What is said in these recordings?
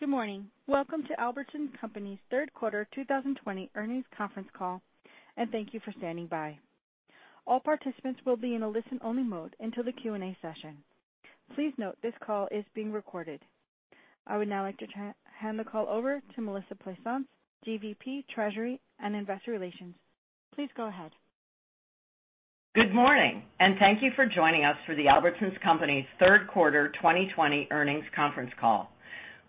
Good morning. Welcome to Albertsons Companies' Q3 2020 Earnings Conference Call, and thank you for standing by. All participants will be in a listen-only mode until the Q&A session. Please note this call is being recorded. I would now like to hand the call over to Melissa Plaisance, GVP, Treasury and Investor Relations. Please go ahead. Good morning, and thank you for joining us for the Albertsons Companies' Q3 2020 earnings conference call.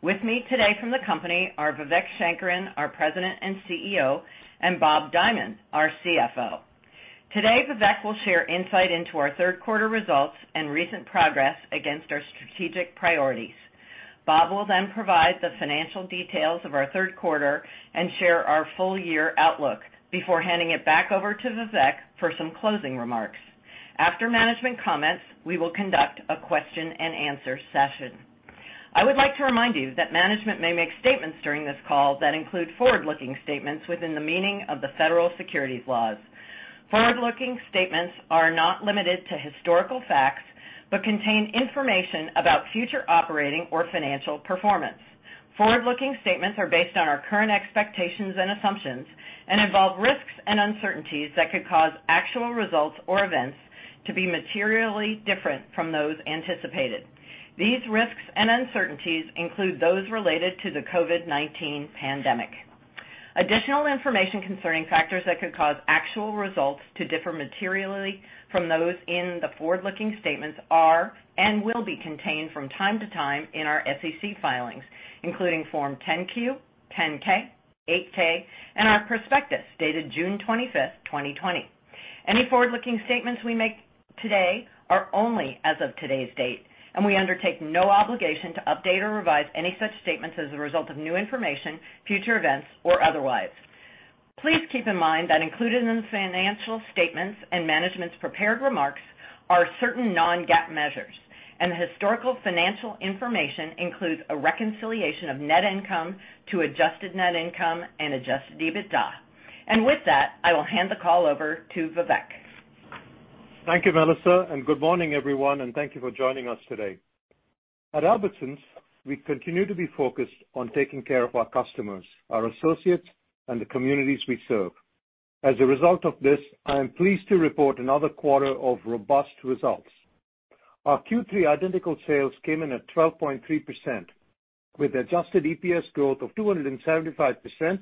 With me today from the company are Vivek Sankaran, our President and CEO, and Bob Dimond, our CFO. Today, Vivek will share insight into our Q3 results and recent progress against our strategic priorities. Bob will then provide the financial details of our Q3 and share our full year outlook before handing it back over to Vivek for some closing remarks. After management comments, we will conduct a question-and-answer session. I would like to remind you that management may make statements during this call that include forward-looking statements within the meaning of the federal securities laws. Forward-looking statements are not limited to historical facts but contain information about future operating or financial performance. Forward-looking statements are based on our current expectations and assumptions and involve risks and uncertainties that could cause actual results or events to be materially different from those anticipated. These risks and uncertainties include those related to the COVID-19 pandemic. Additional information concerning factors that could cause actual results to differ materially from those in the forward-looking statements are and will be contained from time to time in our SEC filings, including Form 10-Q, 10-K, 8-K, and our prospectus dated 25 June 2020. Any forward-looking statements we make today are only as of today's date, and we undertake no obligation to update or revise any such statements as a result of new information, future events, or otherwise. Please keep in mind that included in the financial statements and management's prepared remarks are certain non-GAAP measures, and the historical financial information includes a reconciliation of net income to adjusted net income and adjusted EBITDA. And with that, I will hand the call over to Vivek. Thank you, Melissa, and good morning, everyone, and thank you for joining us today. At Albertsons, we continue to be focused on taking care of our customers, our associates, and the communities we serve. As a result of this, I am pleased to report another quarter of robust results. Our Q3 identical sales came in at 12.3%, with Adjusted EPS growth of 275%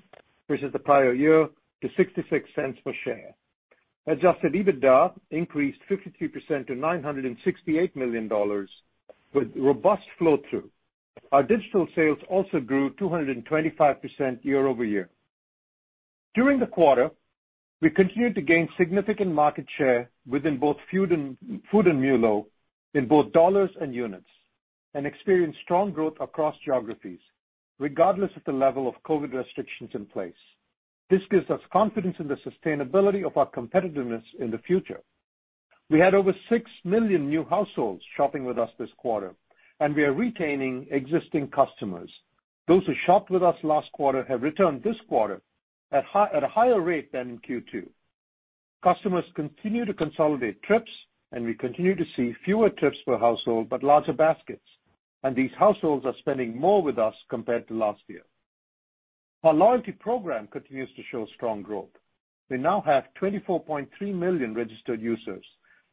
versus the prior year to $0.66 per share. Adjusted EBITDA increased 53% to $968 million, with robust flow-through. Our digital sales also grew 225% year-over-year. During the quarter, we continued to gain significant market share within both Food and MULO in both dollars and units and experienced strong growth across geographies, regardless of the level of COVID restrictions in place. This gives us confidence in the sustainability of our competitiveness in the future. We had over six million new households shopping with us this quarter, and we are retaining existing customers. Those who shopped with us last quarter have returned this quarter at a higher rate than in Q2. Customers continue to consolidate trips, and we continue to see fewer trips per household but larger baskets, and these households are spending more with us compared to last year. Our loyalty program continues to show strong growth. We now have 24.3 million registered users,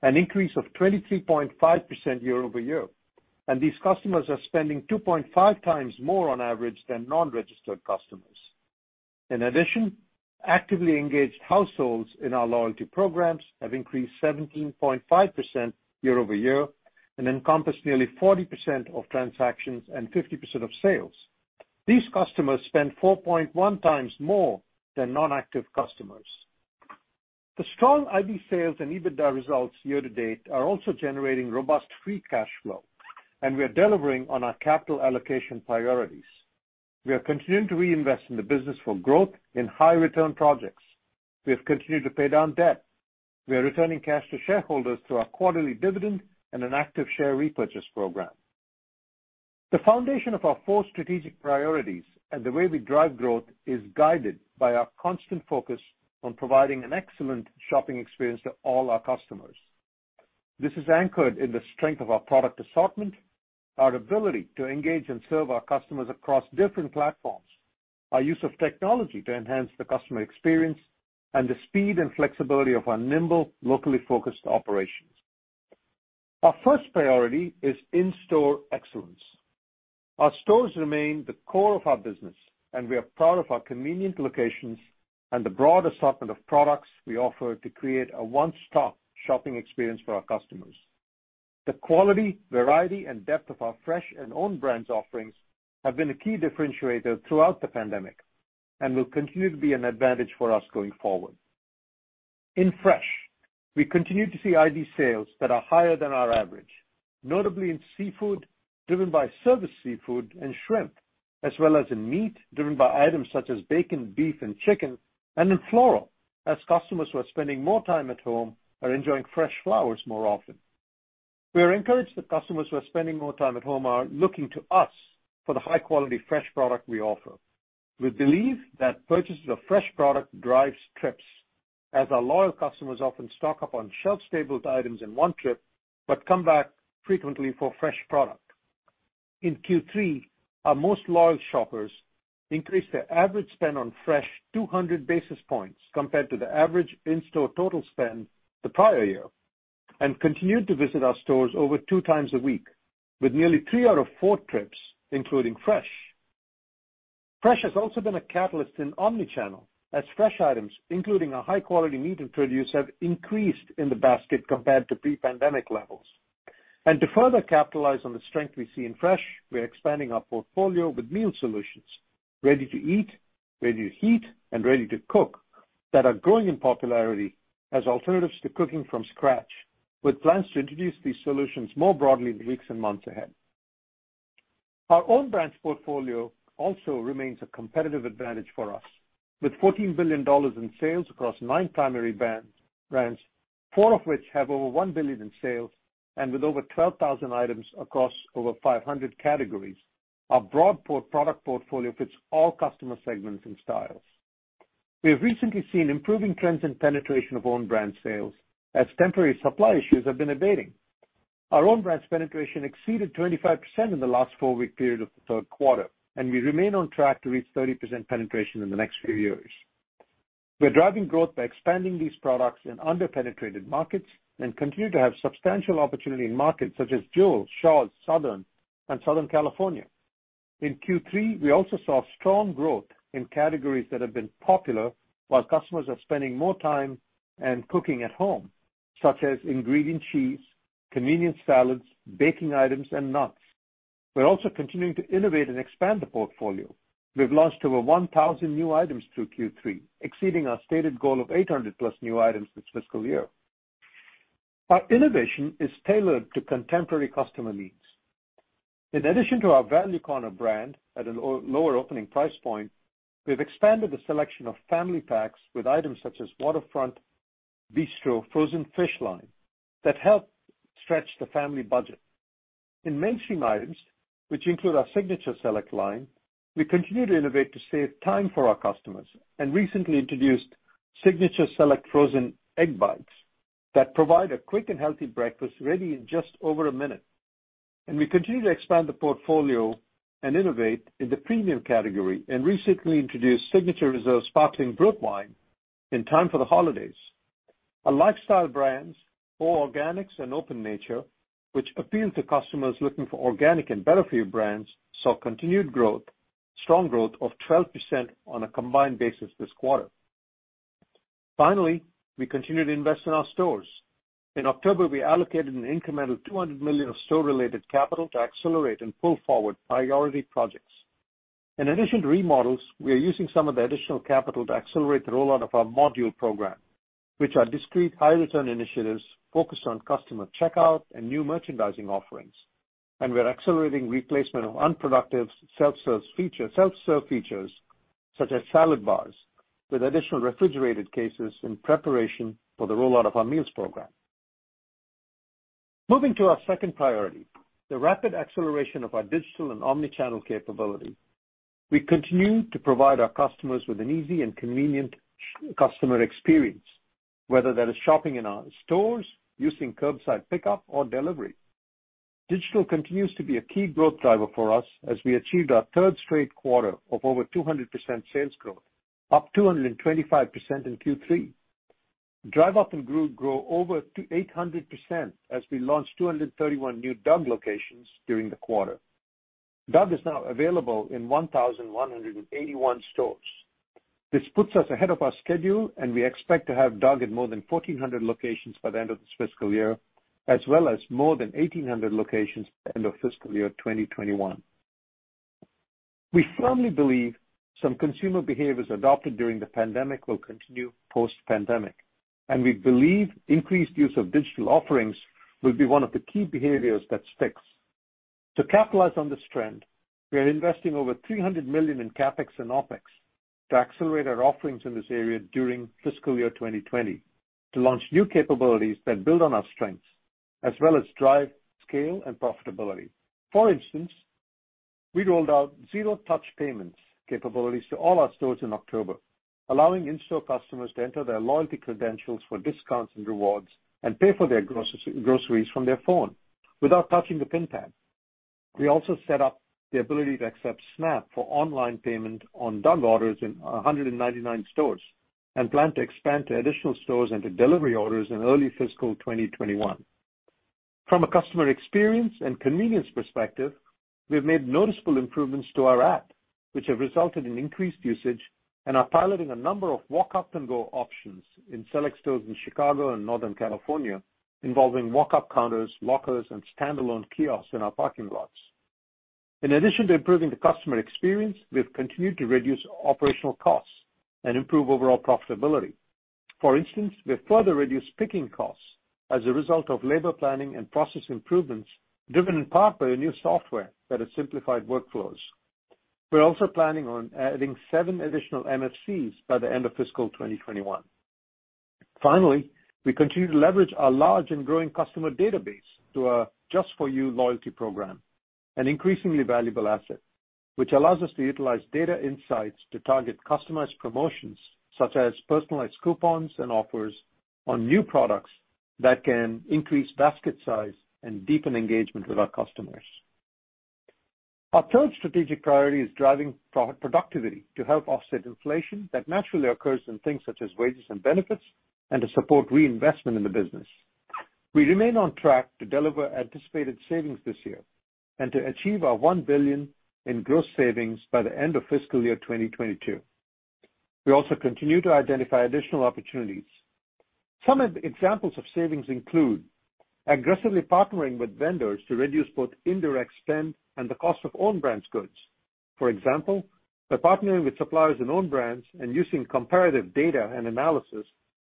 an increase of 23.5% year-over-year, and these customers are spending 2.5 times more on average than non-registered customers. In addition, actively engaged households in our loyalty programs have increased 17.5% year-over-year and encompass nearly 40% of transactions and 50% of sales. These customers spend 4.1x more than non-active customers. The strong ID sales and EBITDA results year to date are also generating robust free cash flow, and we are delivering on our capital allocation priorities. We are continuing to reinvest in the business for growth in high-return projects. We have continued to pay down debt. We are returning cash to shareholders through our quarterly dividend and an active share repurchase program. The foundation of our four strategic priorities and the way we drive growth is guided by our constant focus on providing an excellent shopping experience to all our customers. This is anchored in the strength of our product assortment, our ability to engage and serve our customers across different platforms, our use of technology to enhance the customer experience, and the speed and flexibility of our nimble, locally focused operations. Our first priority is in-store excellence. Our stores remain the core of our business, and we are proud of our convenient locations and the broad assortment of products we offer to create a one-stop shopping experience for our customers. The quality, variety, and depth of our fresh and Own Brands offerings have been a key differentiator throughout the pandemic and will continue to be an advantage for us going forward. In fresh, we continue to see ID sales that are higher than our average, notably in seafood driven by service seafood and shrimp, as well as in meat driven by items such as bacon, beef, and chicken, and in floral as customers who are spending more time at home are enjoying fresh flowers more often. We are encouraged that customers who are spending more time at home are looking to us for the high-quality fresh product we offer. We believe that purchases of fresh product drive trips, as our loyal customers often stock up on shelf-stable items in one trip but come back frequently for fresh product. In Q3, our most loyal shoppers increased their average spend on fresh 200 basis points compared to the average in-store total spend the prior year and continued to visit our stores over two times a week, with nearly three out of four trips including fresh. Fresh has also been a catalyst in omnichannel as fresh items, including a high-quality meat introduced, have increased in the basket compared to pre-pandemic levels. And to further capitalize on the strength we see in fresh, we are expanding our portfolio with meal solutions: ready-to-eat, ready-to-heat, and ready-to-cook that are growing in popularity as alternatives to cooking from scratch, with plans to introduce these solutions more broadly in the weeks and months ahead. Our Own Brands portfolio also remains a competitive advantage for us, with $14 billion in sales across nine primary brands, four of which have over $1 billion in sales, and with over 12,000 items across over 500 categories, our broad product portfolio fits all customer segments and styles. We have recently seen improving trends in penetration of Own Brands sales as temporary supply issues have been abating. Our Own Brands penetration exceeded 25% in the last four-week period of the Q3, and we remain on track to reach 30% penetration in the next few years. We are driving growth by expanding these products in under-penetrated markets and continue to have substantial opportunity in markets such as Jewel, Shaw's, Southern, and Southern California. In Q3, we also saw strong growth in categories that have been popular while customers are spending more time cooking at home, such as ingredient cheese, convenience salads, baking items, and nuts. We're also continuing to innovate and expand the portfolio. We've launched over 1,000 new items through Q3, exceeding our stated goal of 800-plus new items this fiscal year. Our innovation is tailored to contemporary customer needs. In addition to our Value Corner brand at a lower opening price point, we have expanded the selection of family packs with items such as Waterfront Bistro frozen fish line that help stretch the family budget. In mainstream items, which include our Signature Select line, we continue to innovate to save time for our customers and recently introduced Signature Select Frozen Egg Bites that provide a quick and healthy breakfast ready in just over a minute. And we continue to expand the portfolio and innovate in the premium category and recently introduced Signature Reserve Brut Sparkling Wine in time for the holidays. Our lifestyle brands, O Organics and Open Nature, which appeal to customers looking for organic and better-for-you brands, saw continued growth, strong growth of 12% on a combined basis this quarter. Finally, we continue to invest in our stores. In October, we allocated an incremental $200 million of store-related capital to accelerate and pull forward priority projects. In addition to remodels, we are using some of the additional capital to accelerate the rollout of our module program, which are discreet high-return initiatives focused on customer checkout and new merchandising offerings, and we're accelerating replacement of unproductive self-serve features such as salad bars with additional refrigerated cases in preparation for the rollout of our meals program. Moving to our second priority, the rapid acceleration of our digital and omnichannel capability, we continue to provide our customers with an easy and convenient customer experience, whether that is shopping in our stores, using curbside pickup, or delivery. Digital continues to be a key growth driver for us as we achieved our third straight quarter of over 200% sales growth, up 225% in Q3. Drive Up and Go grew over 800% as we launched 231 new DUG locations during the quarter. DUG is now available in 1,181 stores. This puts us ahead of our schedule, and we expect to have DUG in more than 1,400 locations by the end of this fiscal year, as well as more than 1,800 locations by the end of fiscal year 2021. We firmly believe some consumer behaviors adopted during the pandemic will continue post-pandemic, and we believe increased use of digital offerings will be one of the key behaviors that sticks. To capitalize on this trend, we are investing over $300 million in CapEx and OpEx to accelerate our offerings in this area during fiscal year 2020 to launch new capabilities that build on our strengths as well as drive scale and profitability. For instance, we rolled out zero-touch payments capabilities to all our stores in October, allowing in-store customers to enter their loyalty credentials for discounts and rewards and pay for their groceries from their phone without touching the PIN pad. We also set up the ability to accept SNAP for online payment on DUG orders in 199 stores and plan to expand to additional stores and to delivery orders in early fiscal 2021. From a customer experience and convenience perspective, we have made noticeable improvements to our app, which have resulted in increased usage, and are piloting a number of Walk Up and Go options in select stores in Chicago and Northern California involving walk-up counters, lockers, and standalone kiosks in our parking lots. In addition to improving the customer experience, we have continued to reduce operational costs and improve overall profitability. For instance, we have further reduced picking costs as a result of labor planning and process improvements driven in part by the new software that has simplified workflows. We're also planning on adding seven additional MFCs by the end of fiscal 2021. Finally, we continue to leverage our large and growing customer database through our Just for U loyalty program, an increasingly valuable asset, which allows us to utilize data insights to target customized promotions such as personalized coupons and offers on new products that can increase basket size and deepen engagement with our customers. Our third strategic priority is driving productivity to help offset inflation that naturally occurs in things such as wages and benefits and to support reinvestment in the business. We remain on track to deliver anticipated savings this year and to achieve our $1 billion in gross savings by the end of fiscal year 2022. We also continue to identify additional opportunities. Some examples of savings include aggressively partnering with vendors to reduce both indirect spend and the cost of Own Brands goods. For example, by partnering with suppliers in Own Brands and using comparative data and analysis,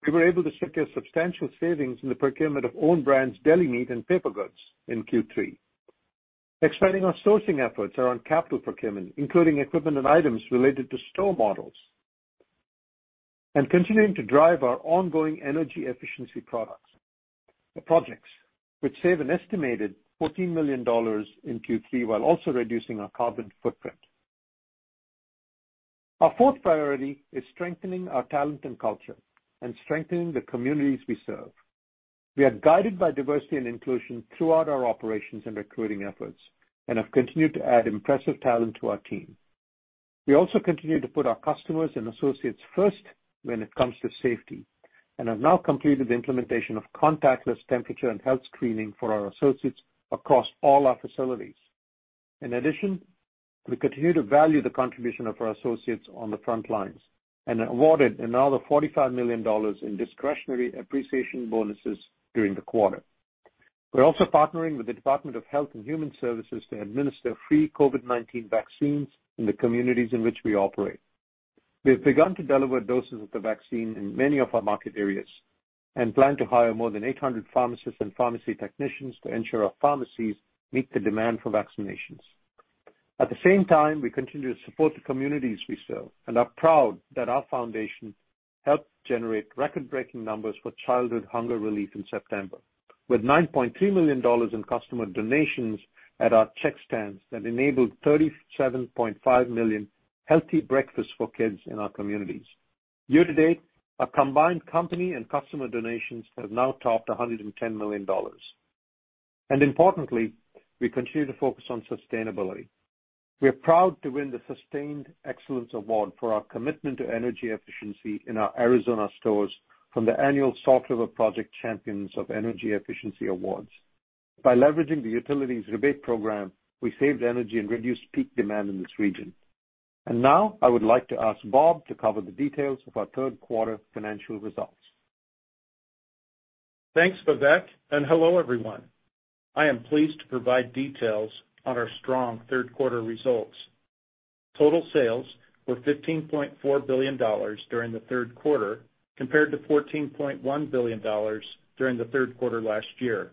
we were able to secure substantial savings in the procurement of Own Brands deli meat and paper goods in Q3. Expanding our sourcing efforts around capital procurement, including equipment and items related to store models, and continuing to drive our ongoing energy efficiency projects, which save an estimated $14 million in Q3 while also reducing our carbon footprint. Our fourth priority is strengthening our talent and culture and strengthening the communities we serve. We are guided by diversity and inclusion throughout our operations and recruiting efforts and have continued to add impressive talent to our team. We also continue to put our customers and associates first when it comes to safety and have now completed the implementation of contactless temperature and health screening for our associates across all our facilities. In addition, we continue to value the contribution of our associates on the front lines and awarded another $45 million in discretionary appreciation bonuses during the quarter. We're also partnering with the Department of Health and Human Services to administer free COVID-19 vaccines in the communities in which we operate. We have begun to deliver doses of the vaccine in many of our market areas and plan to hire more than 800 pharmacists and pharmacy technicians to ensure our pharmacies meet the demand for vaccinations. At the same time, we continue to support the communities we serve and are proud that our foundation helped generate record-breaking numbers for childhood hunger relief in September, with $9.3 million in customer donations at our check stands that enabled 37.5 million healthy breakfasts for kids in our communities. Year to date, our combined company and customer donations have now topped $110 million. Importantly, we continue to focus on sustainability. We are proud to win the Sustained Excellence Award for our commitment to energy efficiency in our Arizona stores from the annual Salt River Project Champions of Energy Efficiency Awards. By leveraging the utilities rebate program, we saved energy and reduced peak demand in this region. Now I would like to ask Bob to cover the details of our Q3 financial results. Thanks, Vivek, and hello, everyone. I am pleased to provide details on our strong Q3 results. Total sales were $15.4 billion during the Q3 compared to $14.1 billion during the Q3 last year.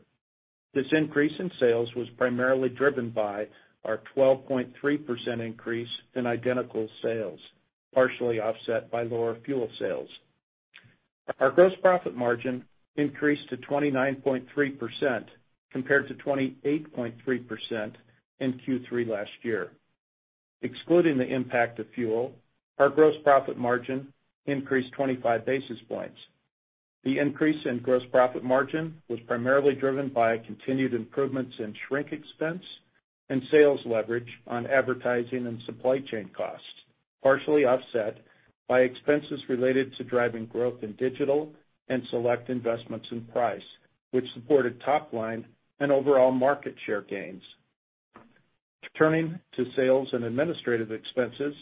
This increase in sales was primarily driven by our 12.3% increase in identical sales, partially offset by lower fuel sales. Our gross profit margin increased to 29.3% compared to 28.3% in Q3 last year. Excluding the impact of fuel, our gross profit margin increased 25 basis points. The increase in gross profit margin was primarily driven by continued improvements in shrink expense and sales leverage on advertising and supply chain costs, partially offset by expenses related to driving growth in digital and select investments in price, which supported top line and overall market share gains. Turning to sales and administrative expenses,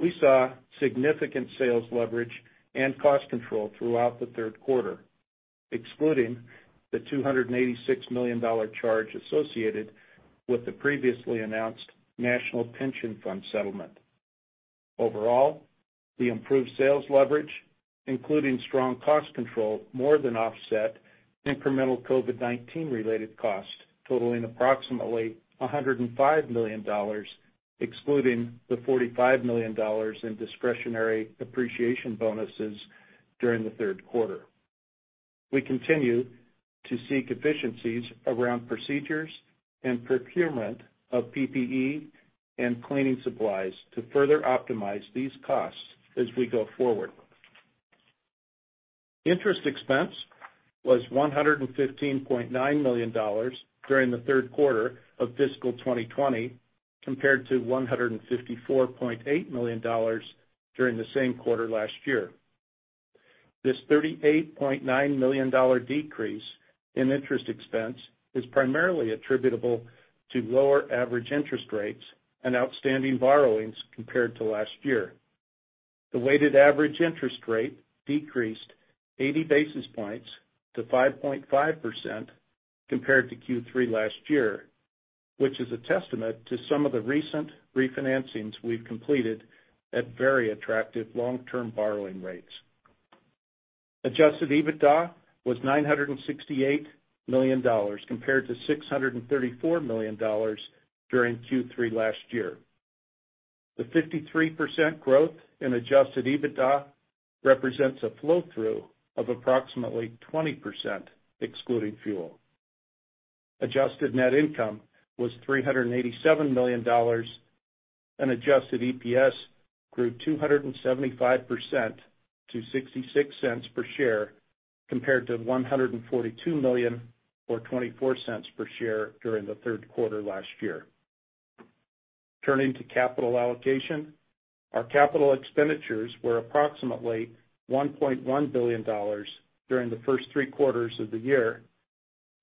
we saw significant sales leverage and cost control throughout the Q3, excluding the $286 million charge associated with the previously announced National Pension Fund settlement. Overall, the improved sales leverage, including strong cost control, more than offset incremental COVID-19-related costs, totaling approximately $105 million, excluding the $45 million in discretionary appreciation bonuses during the Q3. We continue to seek efficiencies around procedures and procurement of PPE and cleaning supplies to further optimize these costs as we go forward. Interest expense was $115.9 million during the Q3 of fiscal 2020 compared to $154.8 million during the same quarter last year. This $38.9 million decrease in interest expense is primarily attributable to lower average interest rates and outstanding borrowings compared to last year. The weighted average interest rate decreased 80 basis points to 5.5% compared to Q3 last year, which is a testament to some of the recent refinancings we've completed at very attractive long-term borrowing rates. Adjusted EBITDA was $968 million compared to $634 million during Q3 last year. The 53% growth in Adjusted EBITDA represents a flow-through of approximately 20%, excluding fuel. Adjusted net income was $387 million, and Adjusted EPS grew 275% to $0.66 per share compared to $142 million or $0.24 per share during the Q3 last year. Turning to capital allocation, our capital expenditures were approximately $1.1 billion during the first three quarters of the year,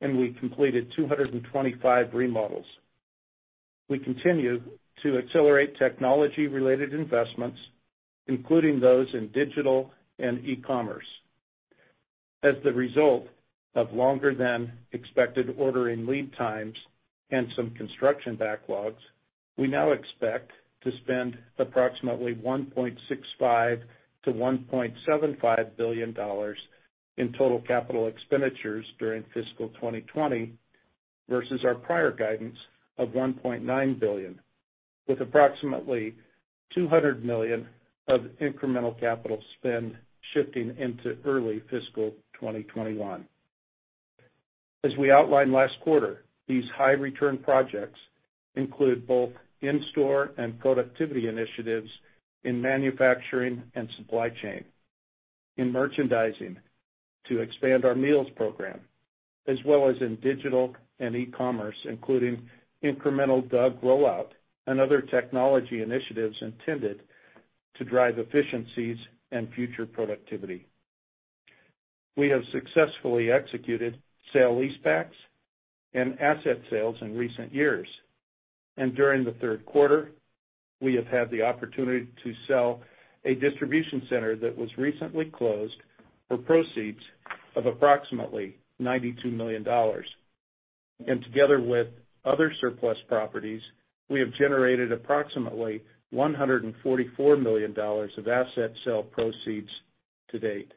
and we completed 225 remodels. We continue to accelerate technology-related investments, including those in digital and e-commerce. As the result of longer-than-expected ordering lead times and some construction backlogs, we now expect to spend approximately $1.65 to 1.75 billion in total capital expenditures during fiscal 2020 versus our prior guidance of $1.9 billion, with approximately $200 million of incremental capital spend shifting into early fiscal 2021. As we outlined last quarter, these high-return projects include both in-store and productivity initiatives in manufacturing and supply chain, in merchandising to expand our meals program, as well as in digital and e-commerce, including incremental DUG rollout and other technology initiatives intended to drive efficiencies and future productivity. We have successfully executed sale-leasebacks and asset sales in recent years, and during the Q3, we have had the opportunity to sell a distribution center that was recently closed for proceeds of approximately $92 million, and together with other surplus properties, we have generated approximately $144 million of asset sale proceeds to date.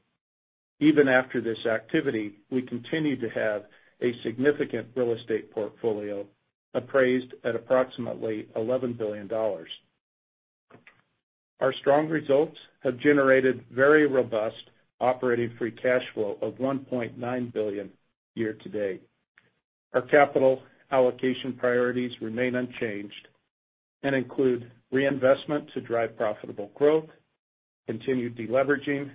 Even after this activity, we continue to have a significant real estate portfolio appraised at approximately $11 billion. Our strong results have generated very robust operating free cash flow of $1.9 billion year to date. Our capital allocation priorities remain unchanged and include reinvestment to drive profitable growth, continued deleveraging,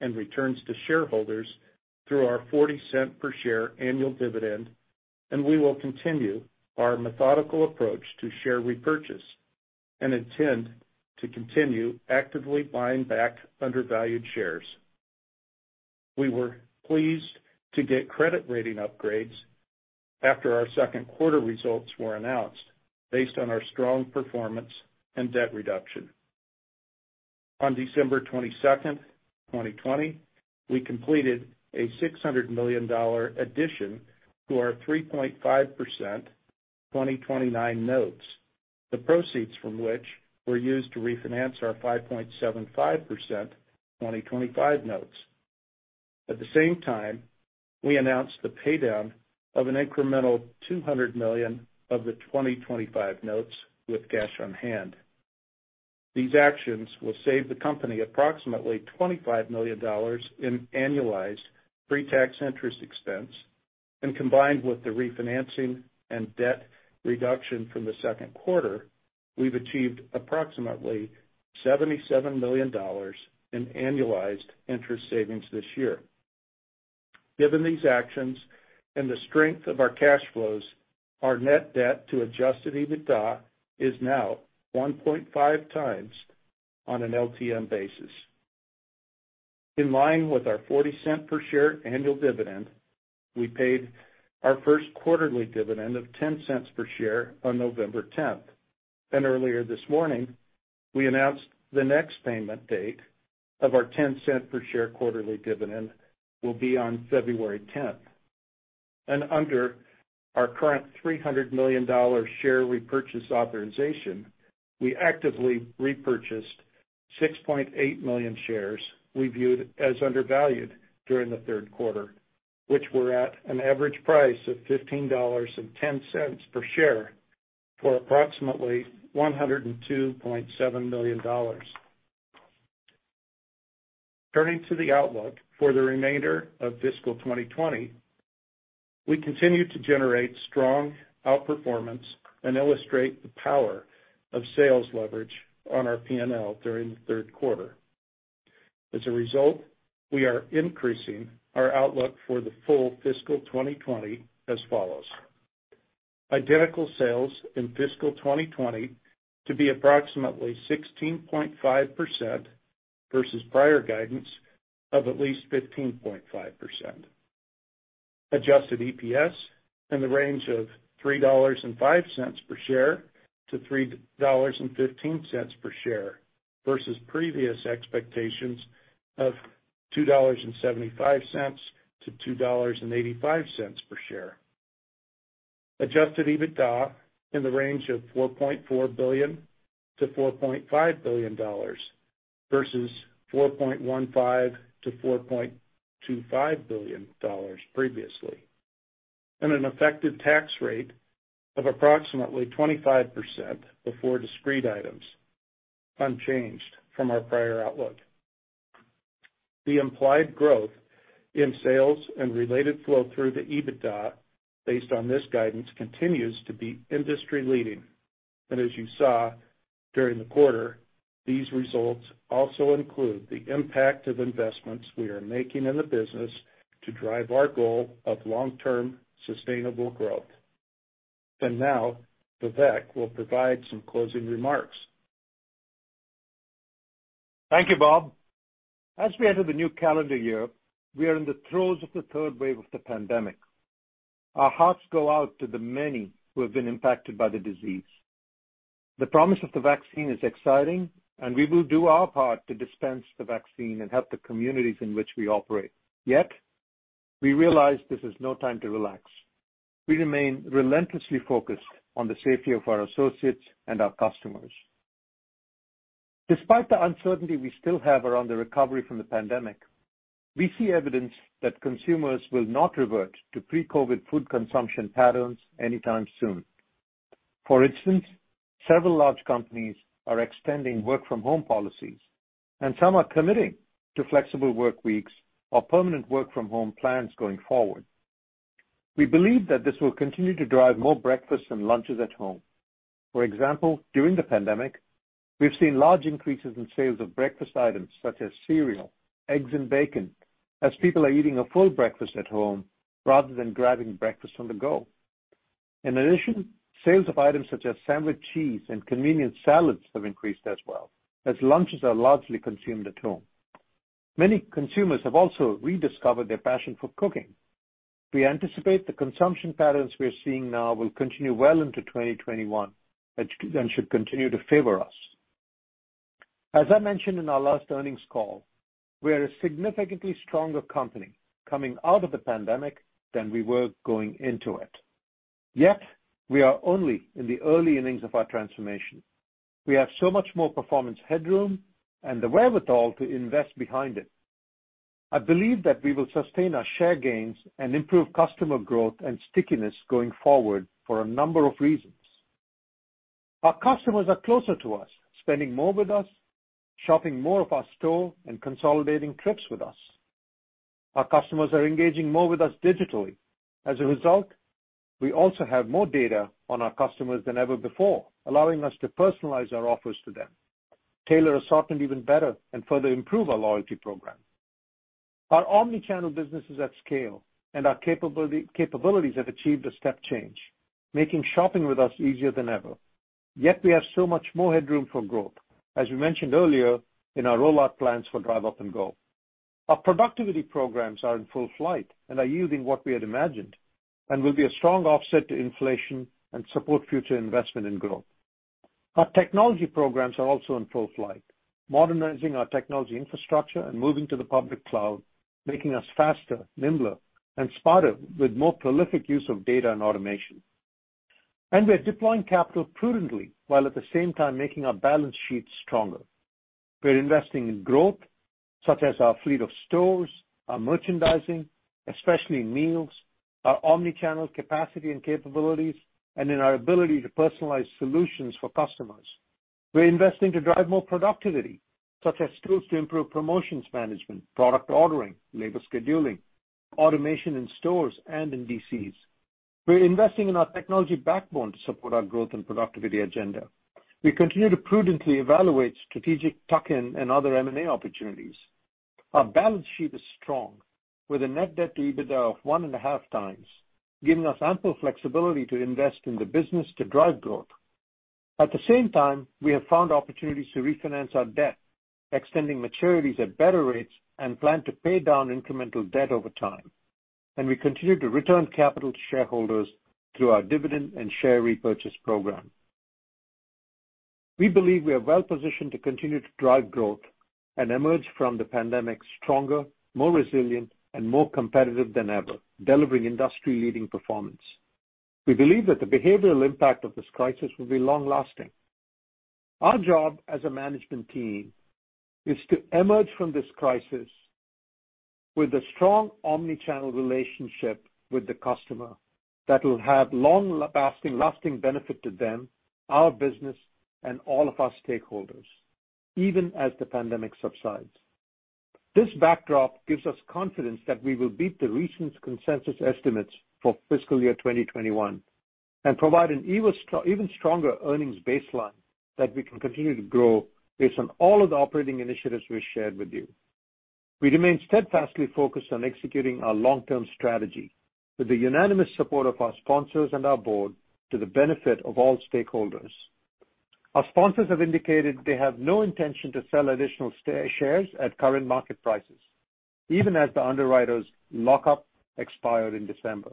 and returns to shareholders through our $0.40 per share annual dividend, and we will continue our methodical approach to share repurchase and intend to continue actively buying back undervalued shares. We were pleased to get credit rating upgrades after our Q2 results were announced based on our strong performance and debt reduction. On 22 December 2020, we completed a $600 million addition to our 3.5% 2029 notes, the proceeds from which were used to refinance our 5.75% 2025 notes. At the same time, we announced the paydown of an incremental $200 million of the 2025 notes with cash on hand. These actions will save the company approximately $25 million in annualized pre-tax interest expense, and combined with the refinancing and debt reduction from the Q2, we've achieved approximately $77 million in annualized interest savings this year. Given these actions and the strength of our cash flows, our net debt to Adjusted EBITDA is now 1.5x on an LTM basis. In line with our $0.40 per share annual dividend, we paid our first quarterly dividend of $0.10 per share on November 10th, and earlier this morning, we announced the next payment date of our $0.10 per share quarterly dividend will be on February 10th, and under our current $300 million share repurchase authorization, we actively repurchased 6.8 million shares we viewed as undervalued during the Q3, which were at an average price of $15.10 per share for approximately $102.7 million. Turning to the outlook for the remainder of fiscal 2020, we continue to generate strong outperformance and illustrate the power of sales leverage on our P&L during the Q3. As a result, we are increasing our outlook for the full fiscal 2020 as follows: Identical Sales in fiscal 2020 to be approximately 16.5% versus prior guidance of at least 15.5%. Adjusted EPS in the range of $3.05 to 3.15 per share versus previous expectations of $2.75 to 2.85 per share. Adjusted EBITDA in the range of $4.4 To 4.5 billion versus $4.15 to 4.25 billion previously. And an effective tax rate of approximately 25% before discrete items, unchanged from our prior outlook. The implied growth in sales and related flow-through to EBITDA based on this guidance continues to be industry-leading. And as you saw during the quarter, these results also include the impact of investments we are making in the business to drive our goal of long-term sustainable growth. And now, Vivek will provide some closing remarks. Thank you, Bob. As we enter the new calendar year, we are in the throes of the third wave of the pandemic. Our hearts go out to the many who have been impacted by the disease. The promise of the vaccine is exciting, and we will do our part to dispense the vaccine and help the communities in which we operate. Yet, we realize this is no time to relax. We remain relentlessly focused on the safety of our associates and our customers. Despite the uncertainty we still have around the recovery from the pandemic, we see evidence that consumers will not revert to pre-COVID food consumption patterns anytime soon. For instance, several large companies are extending work-from-home policies, and some are committing to flexible work weeks or permanent work-from-home plans going forward. We believe that this will continue to drive more breakfasts and lunches at home. For example, during the pandemic, we've seen large increases in sales of breakfast items such as cereal, eggs, and bacon as people are eating a full breakfast at home rather than grabbing breakfast on the go. In addition, sales of items such as sandwich, cheese, and convenience salads have increased as well, as lunches are largely consumed at home. Many consumers have also rediscovered their passion for cooking. We anticipate the consumption patterns we are seeing now will continue well into 2021 and should continue to favor us. As I mentioned in our last earnings call, we are a significantly stronger company coming out of the pandemic than we were going into it. Yet, we are only in the early innings of our transformation. We have so much more performance headroom and the wherewithal to invest behind it. I believe that we will sustain our share gains and improve customer growth and stickiness going forward for a number of reasons. Our customers are closer to us, spending more with us, shopping more of our store, and consolidating trips with us. Our customers are engaging more with us digitally. As a result, we also have more data on our customers than ever before, allowing us to personalize our offers to them, tailor assortment even better, and further improve our loyalty program. Our omnichannel business is at scale, and our capabilities have achieved a step change, making shopping with us easier than ever. Yet, we have so much more headroom for growth, as we mentioned earlier in our rollout plans for Drive Up and Go. Our productivity programs are in full flight and are yielding what we had imagined and will be a strong offset to inflation and support future investment and growth. Our technology programs are also in full flight, modernizing our technology infrastructure and moving to the public cloud, making us faster, nimbler, and smarter with more prolific use of data and automation, and we're deploying capital prudently while at the same time making our balance sheets stronger. We're investing in growth, such as our fleet of stores, our merchandising, especially meals, our omnichannel capacity and capabilities, and in our ability to personalize solutions for customers. We're investing to drive more productivity, such as tools to improve promotions management, product ordering, labor scheduling, automation in stores and in DCs. We're investing in our technology backbone to support our growth and productivity agenda. We continue to prudently evaluate strategic tuck-in and other M&A opportunities. Our balance sheet is strong, with a net debt to EBITDA of one and a half times, giving us ample flexibility to invest in the business to drive growth. At the same time, we have found opportunities to refinance our debt, extending maturities at better rates, and plan to pay down incremental debt over time, and we continue to return capital to shareholders through our dividend and share repurchase program. We believe we are well positioned to continue to drive growth and emerge from the pandemic stronger, more resilient, and more competitive than ever, delivering industry-leading performance. We believe that the behavioral impact of this crisis will be long-lasting. Our job as a management team is to emerge from this crisis with a strong omnichannel relationship with the customer that will have long-lasting benefit to them, our business, and all of our stakeholders, even as the pandemic subsides. This backdrop gives us confidence that we will beat the recent consensus estimates for fiscal year 2021 and provide an even stronger earnings baseline that we can continue to grow based on all of the operating initiatives we've shared with you. We remain steadfastly focused on executing our long-term strategy with the unanimous support of our sponsors and our board to the benefit of all stakeholders. Our sponsors have indicated they have no intention to sell additional shares at current market prices, even as the underwriters' lockup expired in December.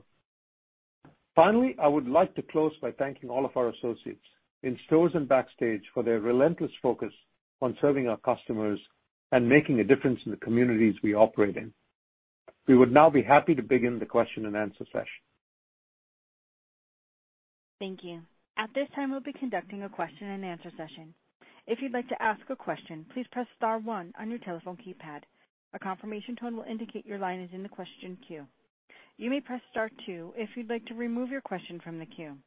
Finally, I would like to close by thanking all of our associates in stores and backstage for their relentless focus on serving our customers and making a difference in the communities we operate in. We would now be happy to begin the question and answer session. Thank you. At this time, we'll be conducting a question and answer session. If you'd like to ask a question, please press star one on your telephone keypad. A confirmation tone will indicate your line is in the question queue. You may press star two if you'd like to remove your question from the queue.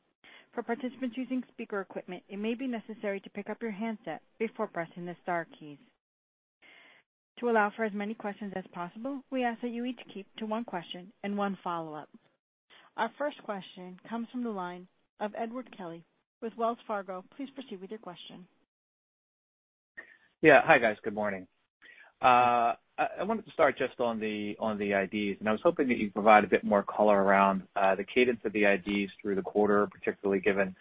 For participants using speaker equipment, it may be necessary to pick up your handset before pressing the star keys. To allow for as many questions as possible, we ask that you each keep to one question and one follow-up. Our first question comes from the line of Edward Kelly with Wells Fargo. Please proceed with your question. Yeah. Hi, guys. Good morning. I wanted to start just on the IDs, and I was hoping that you'd provide a bit more color around the cadence of the IDs through the quarter, particularly given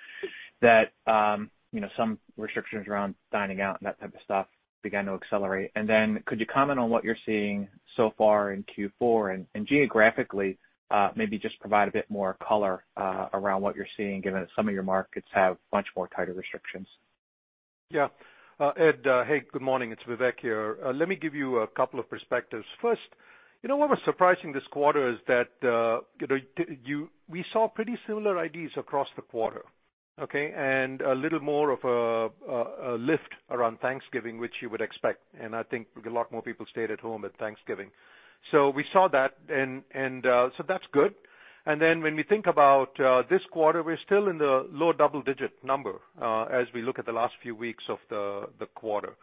that some restrictions around dining out and that type of stuff began to accelerate. And then could you comment on what you're seeing so far in Q4? And geographically, maybe just provide a bit more color around what you're seeing given that some of your markets have much more tighter restrictions. Yeah. Ed, hey, good morning. It's Vivek here. Let me give you a couple of perspectives. First, what was surprising this quarter is that we saw pretty similar IDs across the quarter, okay, and a little more of a lift around Thanksgiving, which you would expect. And I think a lot more people stayed at home at Thanksgiving. So we saw that, and so that's good. And then when we think about this quarter, we're still in the low double-digit number as we look at the last few weeks of the quarter.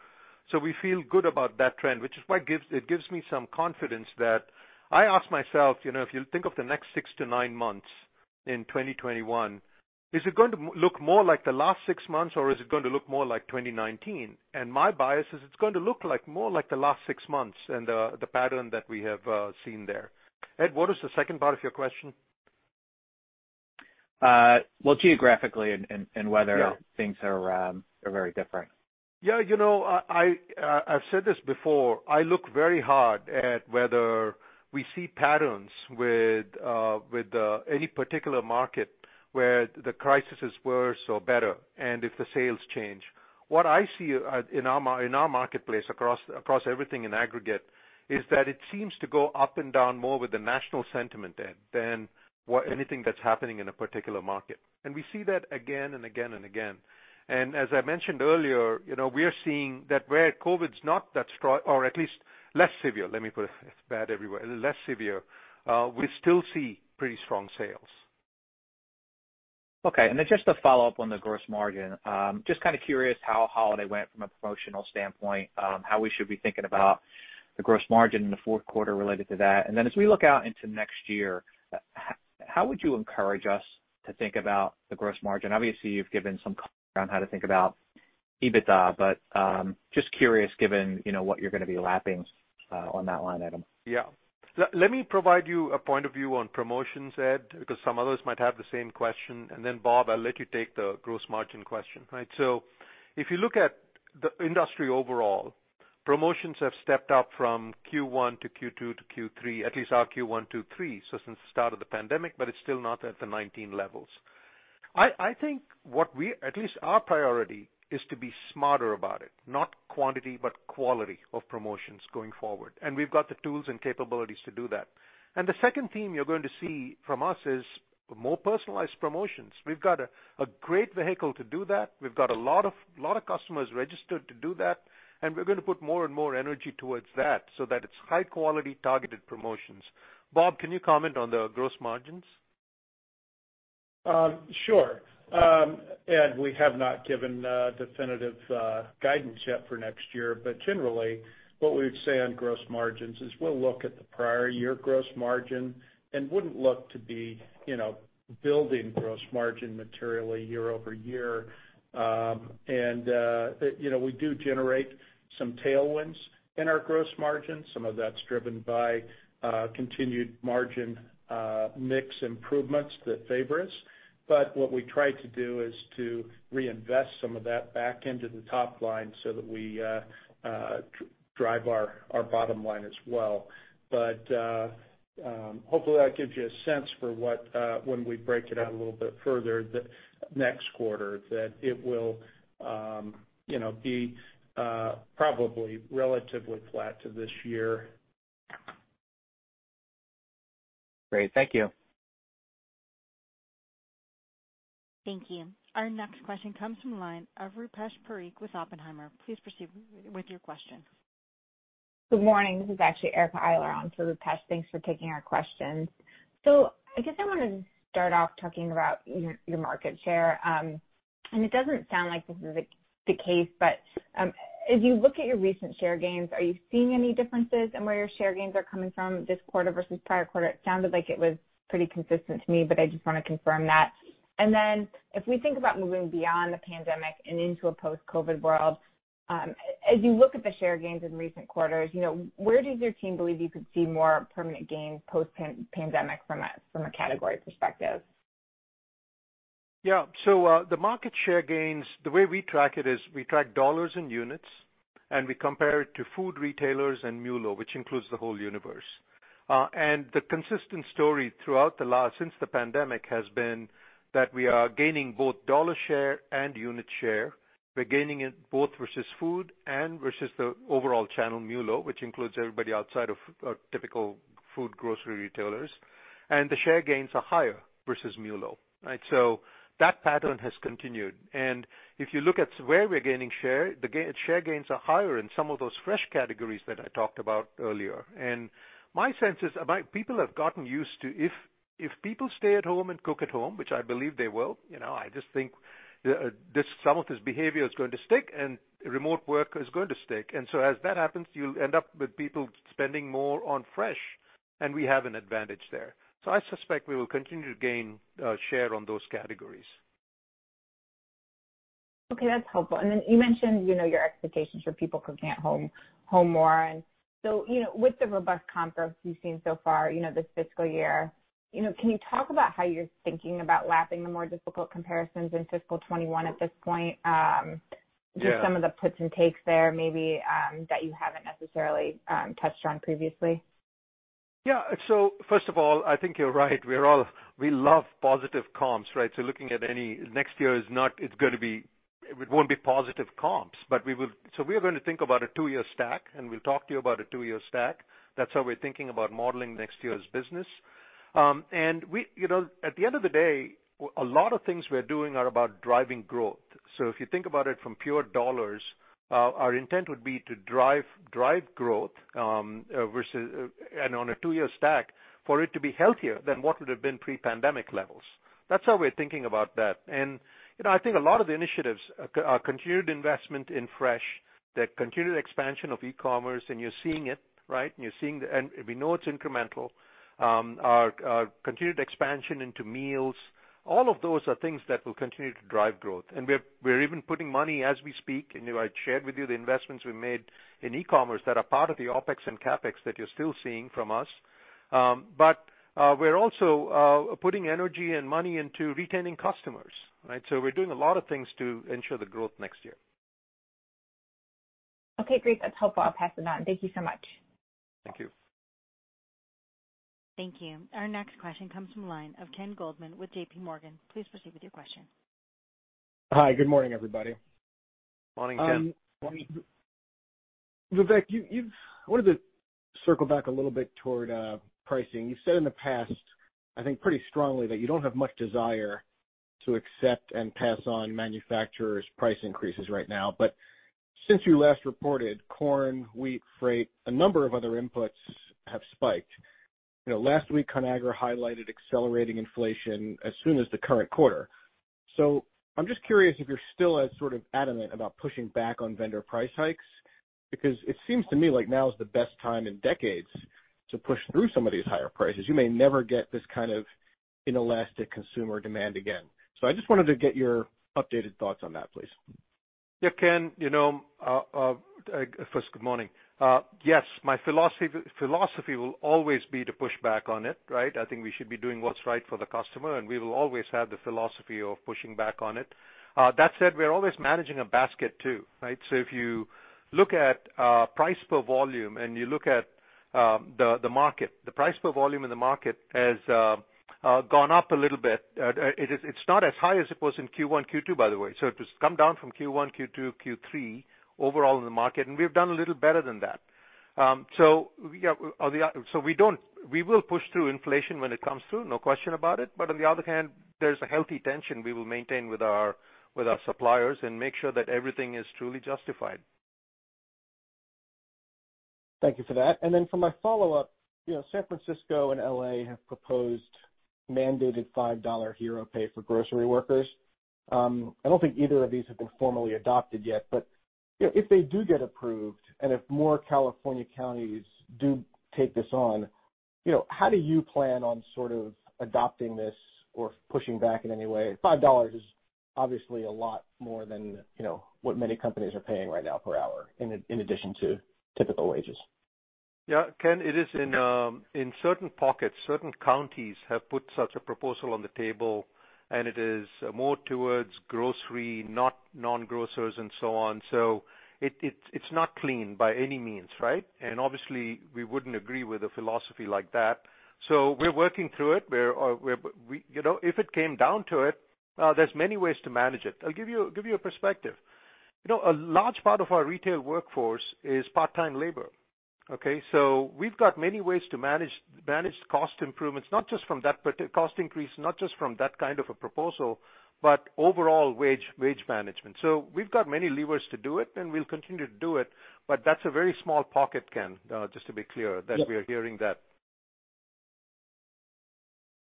So we feel good about that trend, which is why it gives me some confidence that I ask myself, if you think of the next six to nine months in 2021, is it going to look more like the last six months, or is it going to look more like 2019? And my bias is it's going to look more like the last six months and the pattern that we have seen there. Ed, what was the second part of your question? Well, geographically and weather, things are very different. \Yeah. I've said this before. I look very hard at whether we see patterns with any particular market where the crisis is worse or better and if the sales change. What I see in our marketplace across everything in aggregate is that it seems to go up and down more with the national sentiment than anything that's happening in a particular market. And we see that again and again and again. And as I mentioned earlier, we are seeing that where COVID's not that strong or at least less severe, let me put it but everywhere, less severe, we still see pretty strong sales. Okay. And then just to follow up on the gross margin, just kind of curious how holiday went from a promotional standpoint? How we should be thinking about the gross margin in the Q4 related to that? And then as we look out into next year, how would you encourage us to think about the gross margin? Obviously, you've given some comment on how to think about EBITDA, but just curious given what you're going to be lapping on that line item. Yeah. Let me provide you a point of view on promotions, Ed, because some others might have the same question, and then, Bob, I'll let you take the gross margin question, right, so if you look at the industry overall, promotions have stepped up from Q1 to Q2 to Q3, at least our Q1, Q3, so since the start of the pandemic, but it's still not at the 2019 levels. I think what we, at least our priority, is to be smarter about it, not quantity but quality of promotions going forward, and we've got the tools and capabilities to do that, and the second theme you're going to see from us is more personalized promotions. We've got a great vehicle to do that. We've got a lot of customers registered to do that, and we're going to put more and more energy towards that so that it's high-quality targeted promotions. Bob, can you comment on the gross margins? Sure. And we have not given definitive guidance yet for next year, but generally, what we would say on gross margins is we'll look at the prior year gross margin and wouldn't look to be building gross margin materially year-over-year. And we do generate some tailwinds in our gross margin. Some of that's driven by continued margin mix improvements that favor us. But what we try to do is to reinvest some of that back into the top line so that we drive our bottom line as well. But hopefully, that gives you a sense for when we break it out a little bit further next quarter, that it will be probably relatively flat to this year. Great. Thank you. Thank you. Our next question comes from the line of Rupesh Parikh with Oppenheimer. Please proceed with your question. Good morning. This is actually Erica Eiler on for Rupesh. Thanks for taking our questions. So I guess I wanted to start off talking about your market share. And it doesn't sound like this is the case, but as you look at your recent share gains, are you seeing any differences in where your share gains are coming from this quarter versus prior quarter? It sounded like it was pretty consistent to me, but I just want to confirm that. And then if we think about moving beyond the pandemic and into a post-COVID world, as you look at the share gains in recent quarters, where does your team believe you could see more permanent gains post-pandemic from a category perspective? Yeah. So the market share gains, the way we track it is we track dollars and units, and we compare it to food retailers and MULO, which includes the whole universe. And the consistent story throughout the last since the pandemic has been that we are gaining both dollar share and unit share. We're gaining it both versus food and versus the overall channel MULO, which includes everybody outside of typical food grocery retailers. And the share gains are higher versus MULO, right? So that pattern has continued. And if you look at where we're gaining share, the share gains are higher in some of those fresh categories that I talked about earlier. And my sense is people have gotten used to if people stay at home and cook at home, which I believe they will. I just think some of this behavior is going to stick and remote work is going to stick. And so as that happens, you'll end up with people spending more on fresh, and we have an advantage there. So I suspect we will continue to gain share on those categories. Okay. That's helpful. And then you mentioned your expectations for people cooking at home more. And so with the robust comp growth you've seen so far this fiscal year, can you talk about how you're thinking about lapping the more difficult comparisons in fiscal 2021 at this point? Just some of the puts and takes there, maybe, that you haven't necessarily touched on previously. Yeah, so first of all, I think you're right. We love positive comps, right, so looking at any next year, it won't be positive comps, but we are going to think about a two-year stack, and we'll talk to you about a two-year stack. That's how we're thinking about modeling next year's business, and at the end of the day, a lot of things we're doing are about driving growth, so if you think about it from pure dollars, our intent would be to drive growth versus and on a two-year stack for it to be healthier than what would have been pre-pandemic levels. That's how we're thinking about that. And I think a lot of the initiatives are continued investment in fresh, the continued expansion of e-commerce, and you're seeing it, right? And we know it's incremental. Our continued expansion into meals, all of those are things that will continue to drive growth. And we're even putting money as we speak. I shared with you the investments we made in e-commerce that are part of the OpEx and CapEx that you're still seeing from us. But we're also putting energy and money into retaining customers, right? So we're doing a lot of things to ensure the growth next year. Okay. Great. That's helpful. I'll pass it on. Thank you so much. Thank you. Thank you. Our next question comes from the line of Ken Goldman with J.P. Morgan. Please proceed with your question. Hi. Good morning, everybody. Morning, Ken. Morning. Vivek, I wanted to circle back a little bit toward pricing. You've said in the past, I think pretty strongly, that you don't have much desire to accept and pass on manufacturers' price increases right now. But since you last reported, corn, wheat, freight, a number of other inputs have spiked. Last week, Conagra highlighted accelerating inflation as soon as the current quarter. So I'm just curious if you're still as sort of adamant about pushing back on vendor price hikes because it seems to me like now is the best time in decades to push through some of these higher prices. You may never get this kind of inelastic consumer demand again. So I just wanted to get your updated thoughts on that, please. Yeah. Ken, first, good morning. Yes. My philosophy will always be to push back on it, right? I think we should be doing what's right for the customer, and we will always have the philosophy of pushing back on it. That said, we're always managing a basket too, right? So if you look at price per volume and you look at the market, the price per volume in the market has gone up a little bit. It's not as high as it was in Q1, Q2, by the way. So it has come down from Q1, Q2, Q3 overall in the market, and we've done a little better than that. So yeah, so we will push through inflation when it comes through, no question about it. But on the other hand, there's a healthy tension we will maintain with our suppliers and make sure that everything is truly justified. Thank you for that. And then for my follow-up, San Francisco and LA have proposed mandated $5 Hero Pay for grocery workers. I don't think either of these have been formally adopted yet, but if they do get approved and if more California counties do take this on, how do you plan on sort of adopting this or pushing back in any way? $5 is obviously a lot more than what many companies are paying right now per hour in addition to typical wages. Yeah. Ken, it is in certain pockets, certain counties have put such a proposal on the table, and it is more towards grocery, not non-grocers, and so on. So it's not clean by any means, right? And obviously, we wouldn't agree with a philosophy like that. So we're working through it. If it came down to it, there's many ways to manage it. I'll give you a perspective. A large part of our retail workforce is part-time labor, okay? So we've got many ways to manage cost improvements, not just from that cost increase, not just from that kind of a proposal, but overall wage management. So we've got many levers to do it, and we'll continue to do it, but that's a very small pocket, Ken, just to be clear that we are hearing that.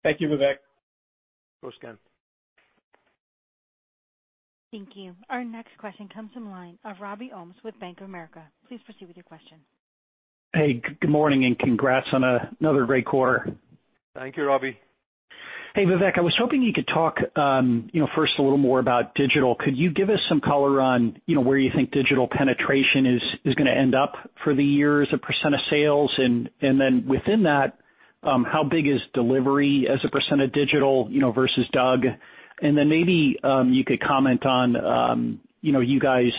Thank you, Vivek. Of course, Ken. Thank you. Our next question comes from the line of Robbie Ohmes with Bank of America. Please proceed with your question. Hey, good morning and congrats on another great quarter. Thank you, Robbie. Hey, Vivek, I was hoping you could talk first a little more about digital. Could you give us some color on where you think digital penetration is going to end up for the year as a % of sales? And then within that, how big is delivery as a % of digital versus DUG? And then maybe you could comment on you guys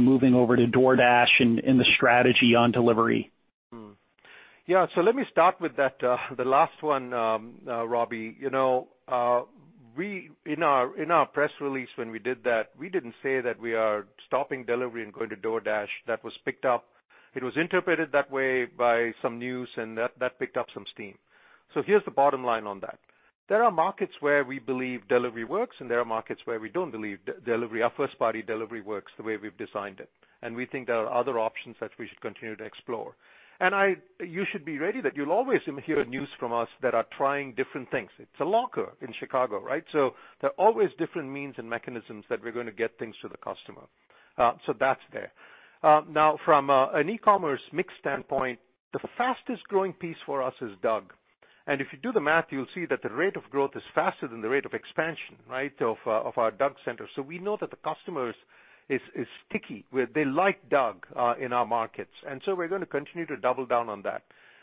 moving over to DoorDash and the strategy on delivery. Yeah. So let me start with the last one, Robbie. In our press release when we did that, we didn't say that we are stopping delivery and going to DoorDash. That was picked up. It was interpreted that way by some news, and that picked up some steam. So here's the bottom line on that. There are markets where we believe delivery works, and there are markets where we don't believe delivery, our first-party delivery works the way we've designed it. And we think there are other options that we should continue to explore. And you should be ready that you'll always hear news from us that are trying different things. It's a locker in Chicago, right? So there are always different means and mechanisms that we're going to get things to the customer. So that's there. Now, from an e-commerce mix standpoint, the fastest growing piece for us is DUG. And if you do the math, you'll see that the rate of growth is faster than the rate of expansion, right, of our DUG center. So we know that the customer is sticky. They like DUG in our markets. And so we're going to continue to double down on that.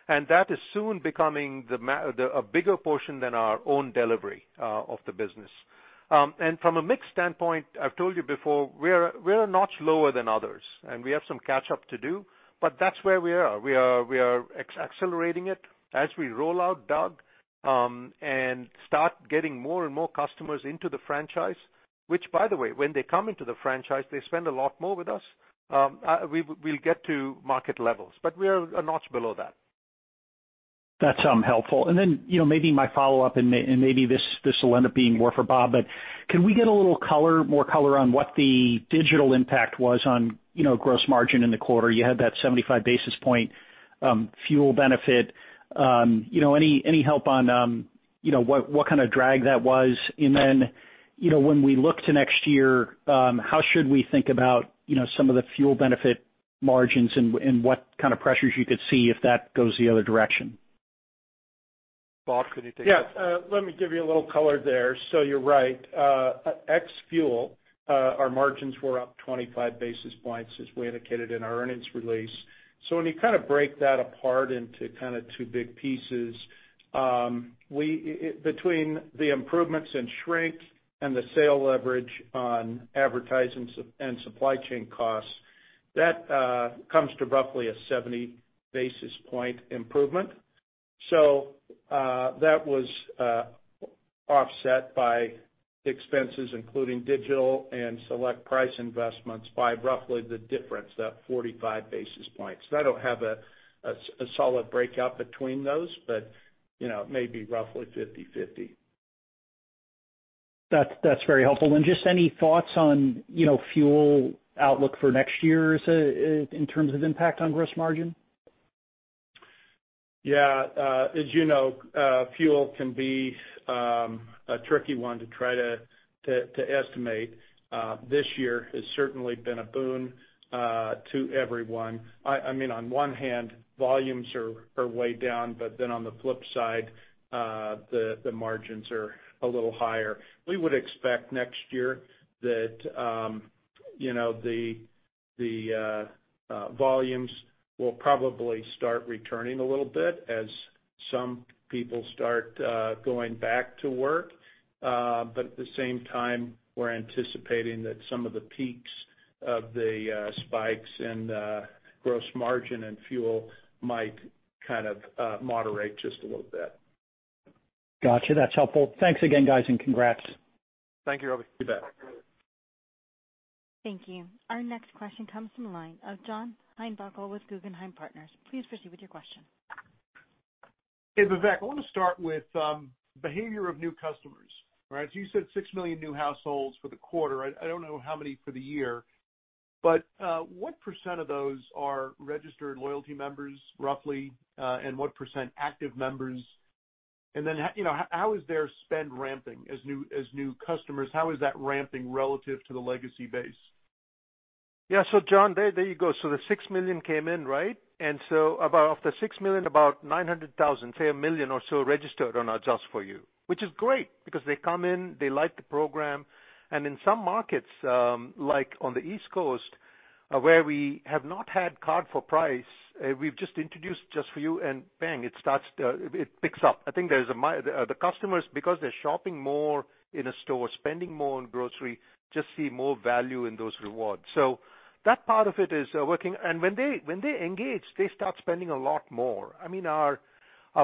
And that is soon becoming a bigger portion than our own delivery of the business. And from a mix standpoint, I've told you before, we're a notch lower than others, and we have some catch-up to do, but that's where we are. We are accelerating it as we roll out DUG and start getting more and more customers into the franchise, which, by the way, when they come into the franchise, they spend a lot more with us. We'll get to market levels, but we are a notch below that. That's helpful. And then maybe my follow-up, and maybe this will end up being more for Bob, but can we get a little more color on what the digital impact was on gross margin in the quarter? You had that 75 basis point fuel benefit. Any help on what kind of drag that was? And then when we look to next year, how should we think about some of the fuel benefit margins and what kind of pressures you could see if that goes the other direction? Bob, can you take that? Yeah. Let me give you a little color there. So you're right. At XFuel, our margins were up 25 basis points, as we indicated in our earnings release. So when you kind of break that apart into kind of two big pieces, between the improvements in shrink and the sales leverage on advertising and supply chain costs, that comes to roughly a 70 basis point improvement. So that was offset by expenses, including digital and select price investments, by roughly the difference, that 45 basis points. So I don't have a solid breakout between those, but maybe roughly 50/50. That's very helpful. And just any thoughts on fuel outlook for next year in terms of impact on gross margin? Yeah. As you know, fuel can be a tricky one to try to estimate. This year has certainly been a boon to everyone. I mean, on one hand, volumes are way down, but then on the flip side, the margins are a little higher. We would expect next year that the volumes will probably start returning a little bit as some people start going back to work. But at the same time, we're anticipating that some of the peaks of the spikes in gross margin and fuel might kind of moderate just a little bit. Gotcha. That's helpful. Thanks again, guys, and congrats. Thank you, Robbie. See you back. Thank you. Our next question comes from the line of John Heinbockel with Guggenheim Partners. Please proceed with your question. Hey, Vivek, I want to start with behavior of new customers, right? So you said six million new households for the quarter. I don't know how many for the year, but what percent of those are registered loyalty members, roughly, and what percent active members? And then how is their spend ramping as new customers? How is that ramping relative to the legacy base? Yeah. So John, there you go. So the 6 million came in, right? And so after 6 million, about 900,000, say a million or so registered on our Just For U, which is great because they come in, they like the program. And in some markets, like on the East Coast, where we have not had card for price, we've just introduced Just For U, and bang, it picks up. I think the customers, because they're shopping more in a store, spending more on grocery, just see more value in those rewards. So that part of it is working. And when they engage, they start spending a lot more. I mean, our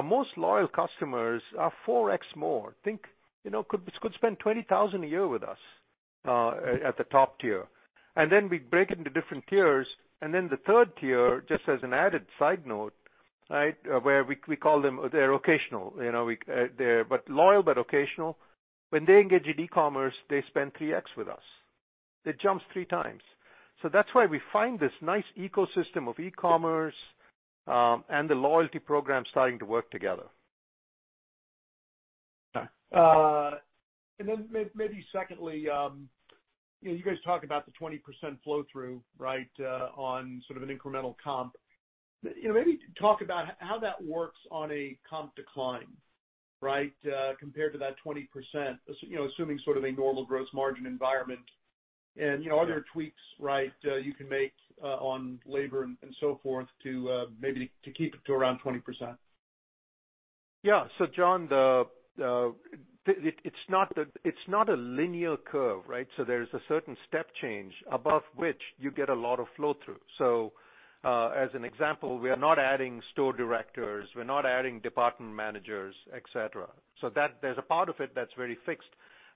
most loyal customers are 4x more. Think could spend $20,000 a year with us at the top tier, and then we break it into different tiers, and then the third tier, just as an added side note, right, where we call them they're occasional, but loyal but occasional. When they engage in e-commerce, they spend 3x with us. It jumps 3x, so that's why we find this nice ecosystem of e-commerce and the loyalty program starting to work together. And then maybe secondly, you guys talk about the 20% flow-through, right, on sort of an incremental comp. Maybe talk about how that works on a comp decline, right, compared to that 20%, assuming sort of a normal gross margin environment, and are there tweaks, right, you can make on labor and so forth to maybe keep it to around 20%? Yeah, so John, it's not a linear curve, right? So there's a certain step change above which you get a lot of flow-through. So as an example, we are not adding store directors. We're not adding department managers, etc. So there's a part of it that's very fixed.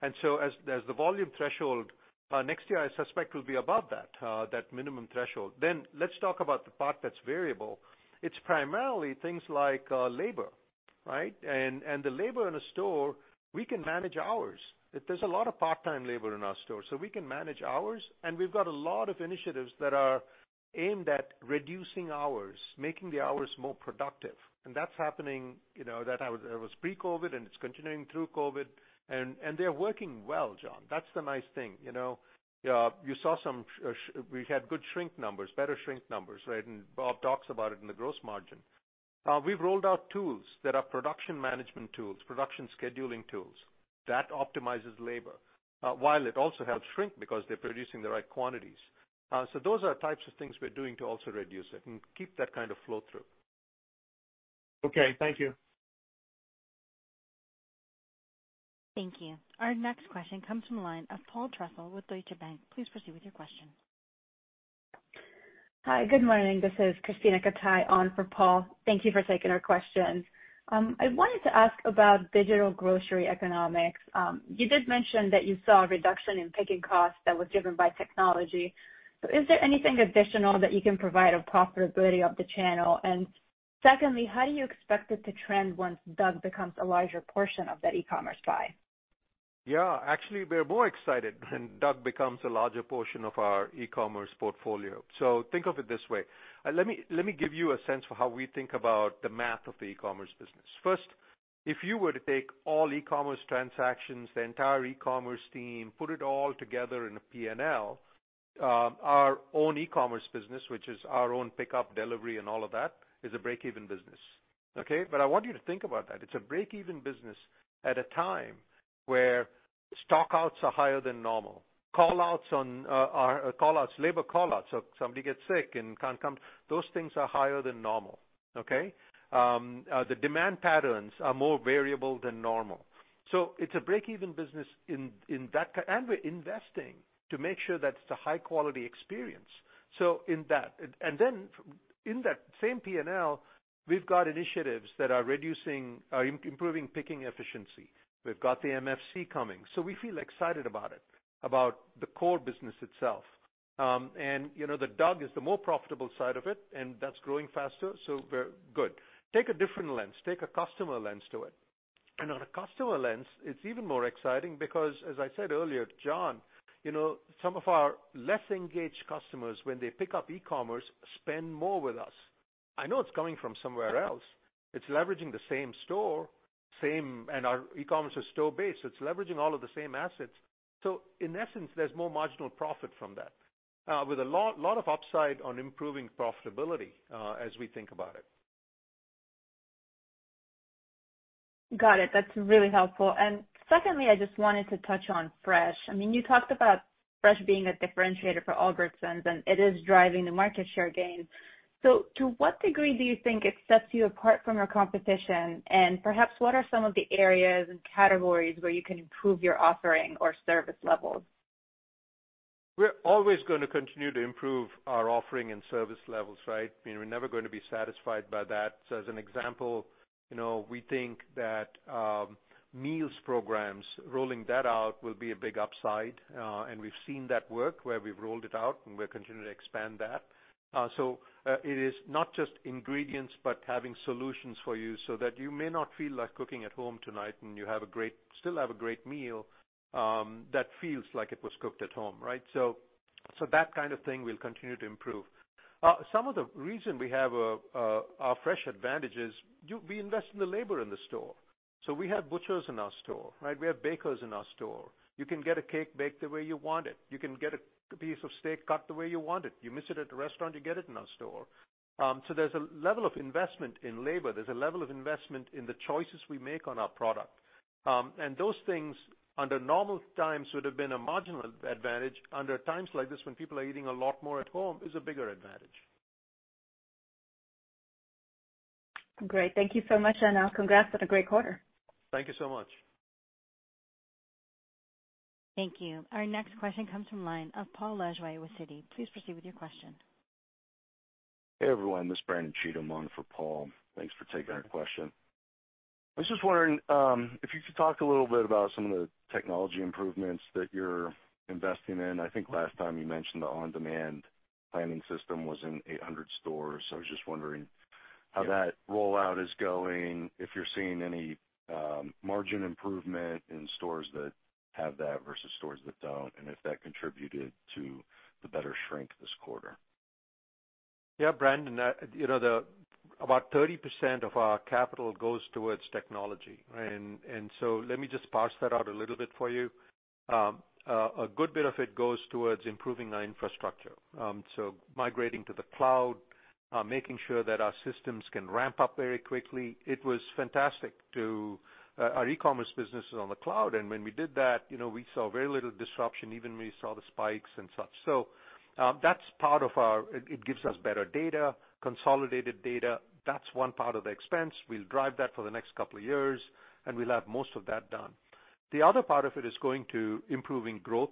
And so, as the volume threshold next year, I suspect, will be above that, that minimum threshold. Then let's talk about the part that's variable. It's primarily things like labor, right? And the labor in a store, we can manage hours. There's a lot of part-time labor in our store. So we can manage hours, and we've got a lot of initiatives that are aimed at reducing hours, making the hours more productive. And that's happening. That was pre-COVID, and it's continuing through COVID. And they're working well, John. That's the nice thing. You saw some. We had good shrink numbers, better shrink numbers, right? And Bob talks about it in the gross margin. We've rolled out tools that are production management tools, production scheduling tools that optimize labor while it also helps shrink because they're producing the right quantities. So those are types of things we're doing to also reduce it and keep that kind of flow-through. Okay. Thank you. Thank you. Our next question comes from line for Paul Trussell with Deutsche Bank. Please proceed with your question. Hi. Good morning. This is Krisztina Katai on for Paul. Thank you for taking our questions. I wanted to ask about digital grocery economics. You did mention that you saw a reduction in picking costs that was driven by technology. So is there anything additional that you can provide of profitability of the channel? And secondly, how do you expect it to trend once DUG becomes a larger portion of that e-commerce buy? Yeah. Actually, we're more excited when DUG becomes a larger portion of our e-commerce portfolio. So think of it this way. Let me give you a sense for how we think about the math of the e-commerce business. First, if you were to take all e-commerce transactions, the entire e-commerce team, put it all together in a P&L, our own e-commerce business, which is our own pickup, delivery, and all of that, is a break-even business, okay? But I want you to think about that. It's a break-even business at a time where stockouts are higher than normal. Callouts, labor callouts, so somebody gets sick and can't come, those things are higher than normal, okay? The demand patterns are more variable than normal. So it's a break-even business in that kind, and we're investing to make sure that it's a high-quality experience. So in that, and then in that same P&L, we've got initiatives that are improving picking efficiency. We've got the MFC coming. So we feel excited about it, about the core business itself. And the DUG is the more profitable side of it, and that's growing faster, so we're good. Take a different lens. Take a customer lens to it. And on a customer lens, it's even more exciting because, as I said earlier, John, some of our less engaged customers, when they pick up e-commerce, spend more with us. I know it's coming from somewhere else. It's leveraging the same store, and our e-commerce is store-based. It's leveraging all of the same assets. So in essence, there's more marginal profit from that, with a lot of upside on improving profitability as we think about it. Got it. That's really helpful. And secondly, I just wanted to touch on fresh. I mean, you talked about fresh being a differentiator for Albertsons, and it is driving the market share gain. So to what degree do you think it sets you apart from your competition? And perhaps what are some of the areas and categories where you can improve your offering or service levels? We're always going to continue to improve our offering and service levels, right? I mean, we're never going to be satisfied by that. So as an example, we think that meals programs, rolling that out will be a big upside. And we've seen that work where we've rolled it out, and we're continuing to expand that. So it is not just ingredients, but having solutions for you so that you may not feel like cooking at home tonight, and you still have a great meal that feels like it was cooked at home, right? So that kind of thing, we'll continue to improve. Some of the reason we have our fresh advantage is we invest in the labor in the store. So we have butchers in our store, right? We have bakers in our store. You can get a cake baked the way you want it. You can get a piece of steak cut the way you want it. You miss it at the restaurant, you get it in our store. So there's a level of investment in labor. There's a level of investment in the choices we make on our product. And those things, under normal times, would have been a marginal advantage. Under times like this, when people are eating a lot more at home, it's a bigger advantage. Great. Thank you so much, and congrats on a great quarter. Thank you so much. Thank you. Our next question comes from the line of Paul Lejuez with Citi. Please proceed with your question. Hey, everyone. This is Brian Cheatham on for Paul. Thanks for taking our question. I was just wondering if you could talk a little bit about some of the technology improvements that you're investing in. I think last time you mentioned the on-demand planning system was in 800 stores. I was just wondering how that rollout is going, if you're seeing any margin improvement in stores that have that versus stores that don't, and if that contributed to the better shrink this quarter. Yeah, Brandon, about 30% of our capital goes towards technology, right? And so let me just parse that out a little bit for you. A good bit of it goes towards improving our infrastructure. So migrating to the cloud, making sure that our systems can ramp up very quickly. It was fantastic to our e-commerce businesses on the cloud, and when we did that, we saw very little disruption, even when we saw the spikes and such, so that's part of our IT. It gives us better data, consolidated data. That's one part of the expense. We'll drive that for the next couple of years, and we'll have most of that done. The other part of it is going to improving growth,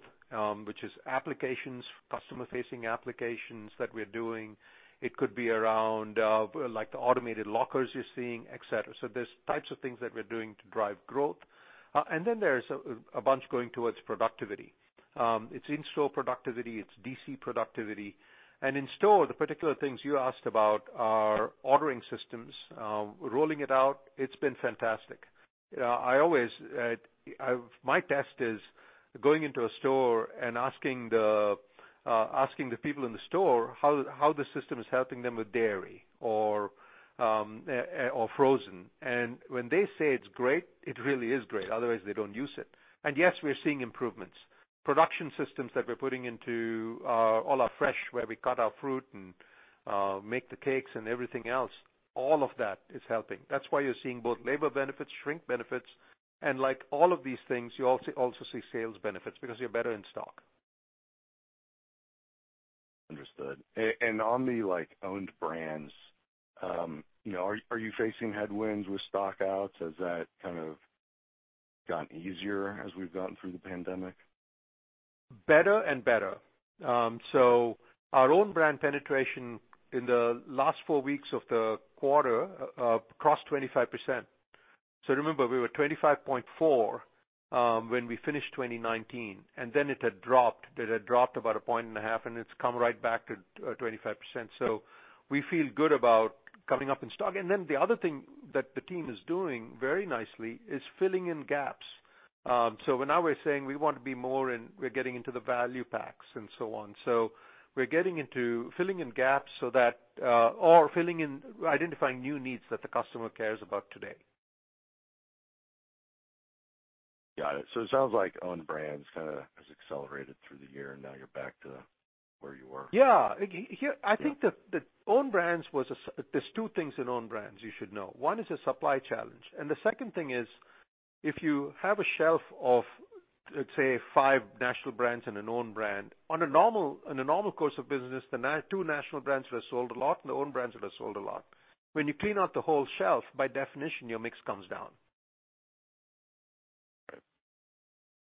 which is applications, customer-facing applications that we're doing. It could be around the automated lockers you're seeing, etc., so there's types of things that we're doing to drive growth, and then there's a bunch going towards productivity. It's in-store productivity. It's DC productivity, and in-store, the particular things you asked about are ordering systems, rolling it out. It's been fantastic. My test is going into a store and asking the people in the store how the system is helping them with dairy or frozen. And when they say it's great, it really is great. Otherwise, they don't use it. And yes, we're seeing improvements. Production systems that we're putting into all our fresh, where we cut our fruit and make the cakes and everything else, all of that is helping. That's why you're seeing both labor benefits, shrink benefits, and all of these things. You also see sales benefits because you're better in stock. Understood. And on the Own Brands, are you facing headwinds with stockouts? Has that kind of gotten easier as we've gotten through the pandemic? Better and better. So our own brand penetration in the last four weeks of the quarter crossed 25%. So remember, we were 25.4% when we finished 2019, and then it had dropped. It had dropped about a point and a half, and it's come right back to 25%. So we feel good about coming up in stock. And then the other thing that the team is doing very nicely is filling in gaps. So when I was saying we want to be more in, we're getting into the value packs and so on. So we're getting into filling in gaps or identifying new needs that the customer cares about today. Got it. So it sounds like Own Brands kind of has accelerated through the year, and now you're back to where you were. Yeah. I think that Own Brands was. There's two things in Own Brands you should know. One is a supply challenge. And the second thing is if you have a shelf of, let's say, five national brands and an own brand, on a normal course of business, the two national brands that are sold a lot and the Own Brands that are sold a lot, when you clean out the whole shelf, by definition, your mix comes down.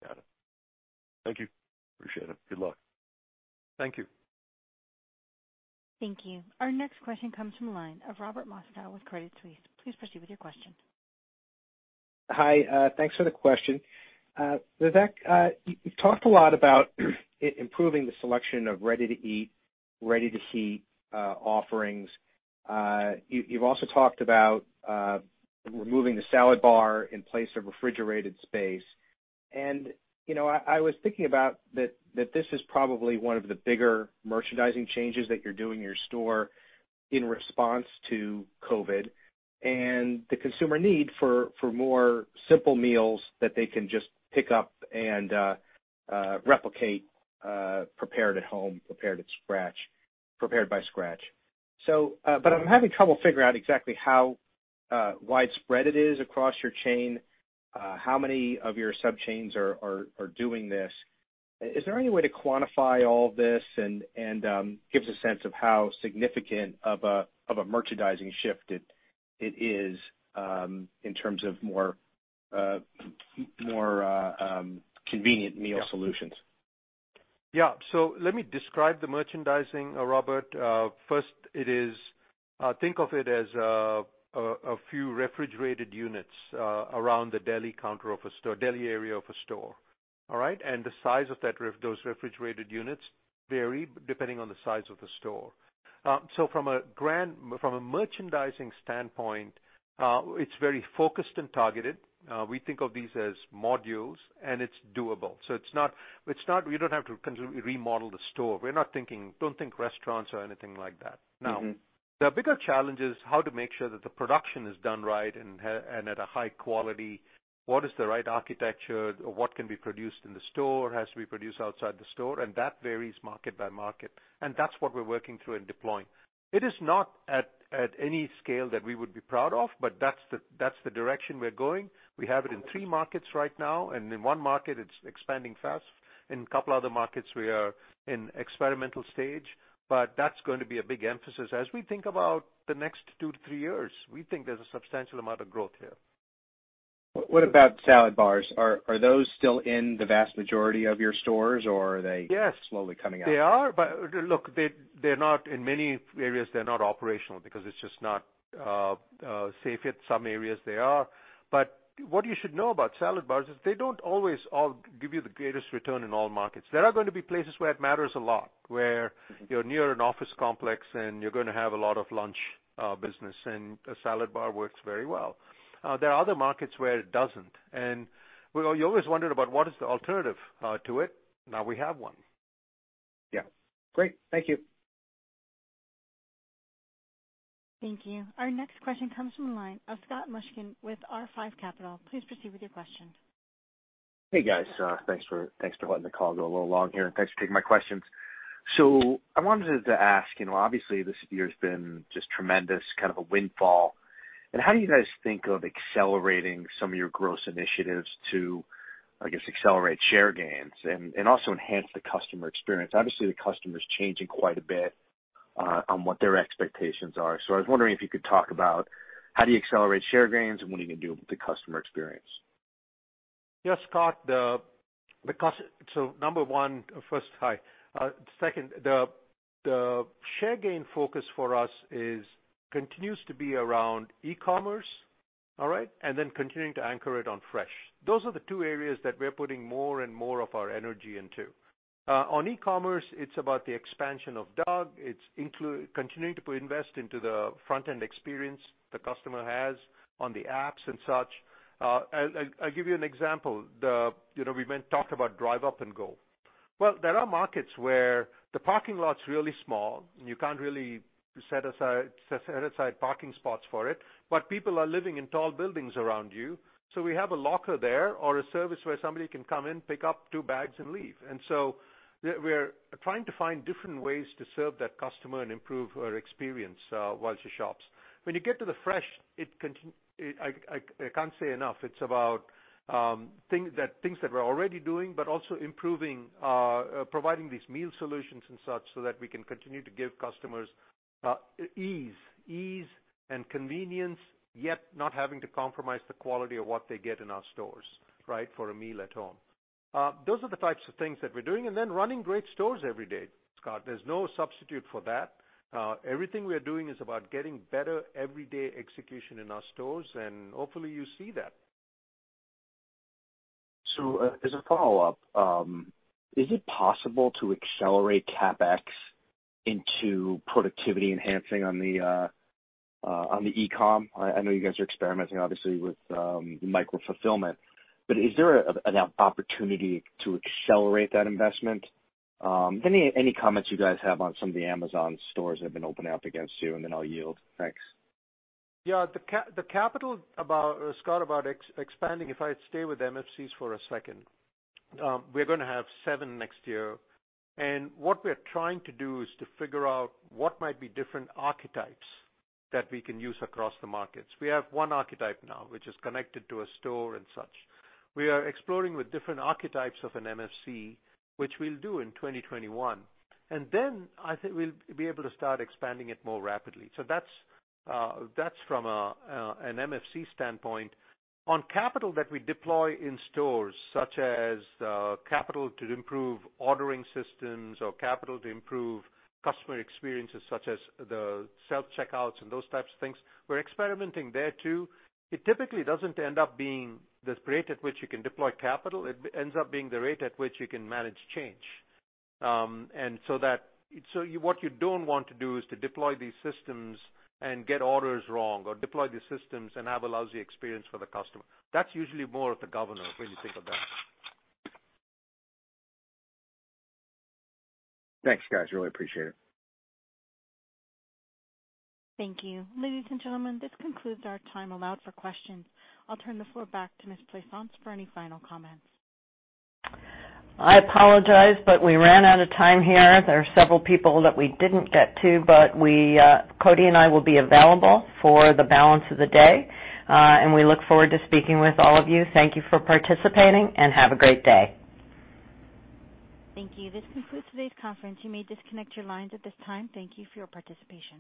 Right. Got it. Thank you. Appreciate it. Good luck. Thank you. Thank you. Our next question comes from the line of Robert Moskow with Credit Suisse. Please proceed with your question. Hi. Thanks for the question. Vivek you've talked a lot about improving the selection of ready-to-eat, ready-to-heat offerings. You've also talked about removing the salad bar in place of refrigerated space. And I was thinking about that this is probably one of the bigger merchandising changes that you're doing in your store in response to COVID and the consumer need for more simple meals that they can just pick up and replicate, prepared at home, prepared from scratch. But I'm having trouble figuring out exactly how widespread it is across your chain, how many of your sub-chains are doing this. Is there any way to quantify all this and give us a sense of how significant of a merchandising shift it is in terms of more convenient meal solutions? Yeah. So let me describe the merchandising, Robert. First, think of it as a few refrigerated units around the deli counter of a deli area of a store, all right? And the size of those refrigerated units vary depending on the size of the store. So from a merchandising standpoint, it's very focused and targeted. We think of these as modules, and it's doable. So it's not we don't have to remodel the store. We don't think restaurants or anything like that. Now, the bigger challenge is how to make sure that the production is done right and at a high quality. What is the right architecture? What can be produced in the store has to be produced outside the store. And that varies market by market. And that's what we're working through and deploying. It is not at any scale that we would be proud of, but that's the direction we're going. We have it in three markets right now. And in one market, it's expanding fast. In a couple of other markets, we are in experimental stage. But that's going to be a big emphasis as we think about the next two to three years. We think there's a substantial amount of growth here. What about salad bars? Are those still in the vast majority of your stores, or are they slowly coming out? Yes. They are. But look, in many areas, they're not operational because it's just not safe yet. Some areas, they are. But what you should know about salad bars is they don't always give you the greatest return in all markets. There are going to be places where it matters a lot, where you're near an office complex and you're going to have a lot of lunch business, and a salad bar works very well. There are other markets where it doesn't. And you always wondered about what is the alternative to it. Now we have one. Yeah. Great. Thank you. Thank you. Our next question comes from the line of Scott Mushkin with R5 Capital. Please proceed with your question. Hey, guys. Thanks for letting the call go a little long here, and thanks for taking my questions. So I wanted to ask, obviously, this year has been just tremendous, kind of a windfall. And how do you guys think of accelerating some of your growth initiatives to, I guess, accelerate share gains and also enhance the customer experience? Obviously, the customer is changing quite a bit on what their expectations are. So I was wondering if you could talk about how do you accelerate share gains and what are you going to do with the customer experience? Yeah, Scott. So number one, first, hi. Second, the share gain focus for us continues to be around e-commerce, all right, and then continuing to anchor it on fresh. Those are the two areas that we're putting more and more of our energy into. On e-commerce, it's about the expansion of DUG. It's continuing to invest into the front-end experience the customer has on the apps and such. I'll give you an example. We talked about Drive Up and Go, well, there are markets where the parking lot's really small, and you can't really set aside parking spots for it, but people are living in tall buildings around you, so we have a locker there or a service where somebody can come in, pick up two bags, and leave, and so we're trying to find different ways to serve that customer and improve her experience while she shops. When you get to the fresh, I can't say enough. It's about things that we're already doing, but also providing these meal solutions and such so that we can continue to give customers ease and convenience, yet not having to compromise the quality of what they get in our stores, right, for a meal at home. Those are the types of things that we're doing. And then running great stores every day, Scott. There's no substitute for that. Everything we're doing is about getting better everyday execution in our stores, and hopefully, you see that. So as a follow-up, is it possible to accelerate CapEx into productivity enhancing on the e-com? I know you guys are experimenting, obviously, with micro-fulfillment. But is there an opportunity to accelerate that investment? Any comments you guys have on some of the Amazon stores that have been opening up against you, and then I'll yield. Thanks. Yeah. Scott, about expanding, if I stay with MFCs for a second, we're going to have seven next year, and what we're trying to do is to figure out what might be different archetypes that we can use across the markets. We have one archetype now, which is connected to a store and such. We are exploring with different archetypes of an MFC, which we'll do in 2021, and then we'll be able to start expanding it more rapidly, so that's from an MFC standpoint. On capital that we deploy in stores, such as capital to improve ordering systems or capital to improve customer experiences, such as the self-checkouts and those types of things, we're experimenting there too. It typically doesn't end up being the rate at which you can deploy capital. It ends up being the rate at which you can manage change. And so what you don't want to do is to deploy these systems and get orders wrong or deploy these systems and have a lousy experience for the customer. That's usually more of the governor when you think of that. Thanks, guys. Really appreciate it. Thank you. Ladies and gentlemen, this concludes our time allowed for questions. I'll turn the floor back to Ms. Plaisance for any final comments. I apologize, but we ran out of time here. There are several people that we didn't get to, but we Cody and I will be available for the balance of the day. And we look forward to speaking with all of you. Thank you for participating, and have a great day. Thank you. This concludes today's conference. You may disconnect your lines at this time. Thank you for your participation.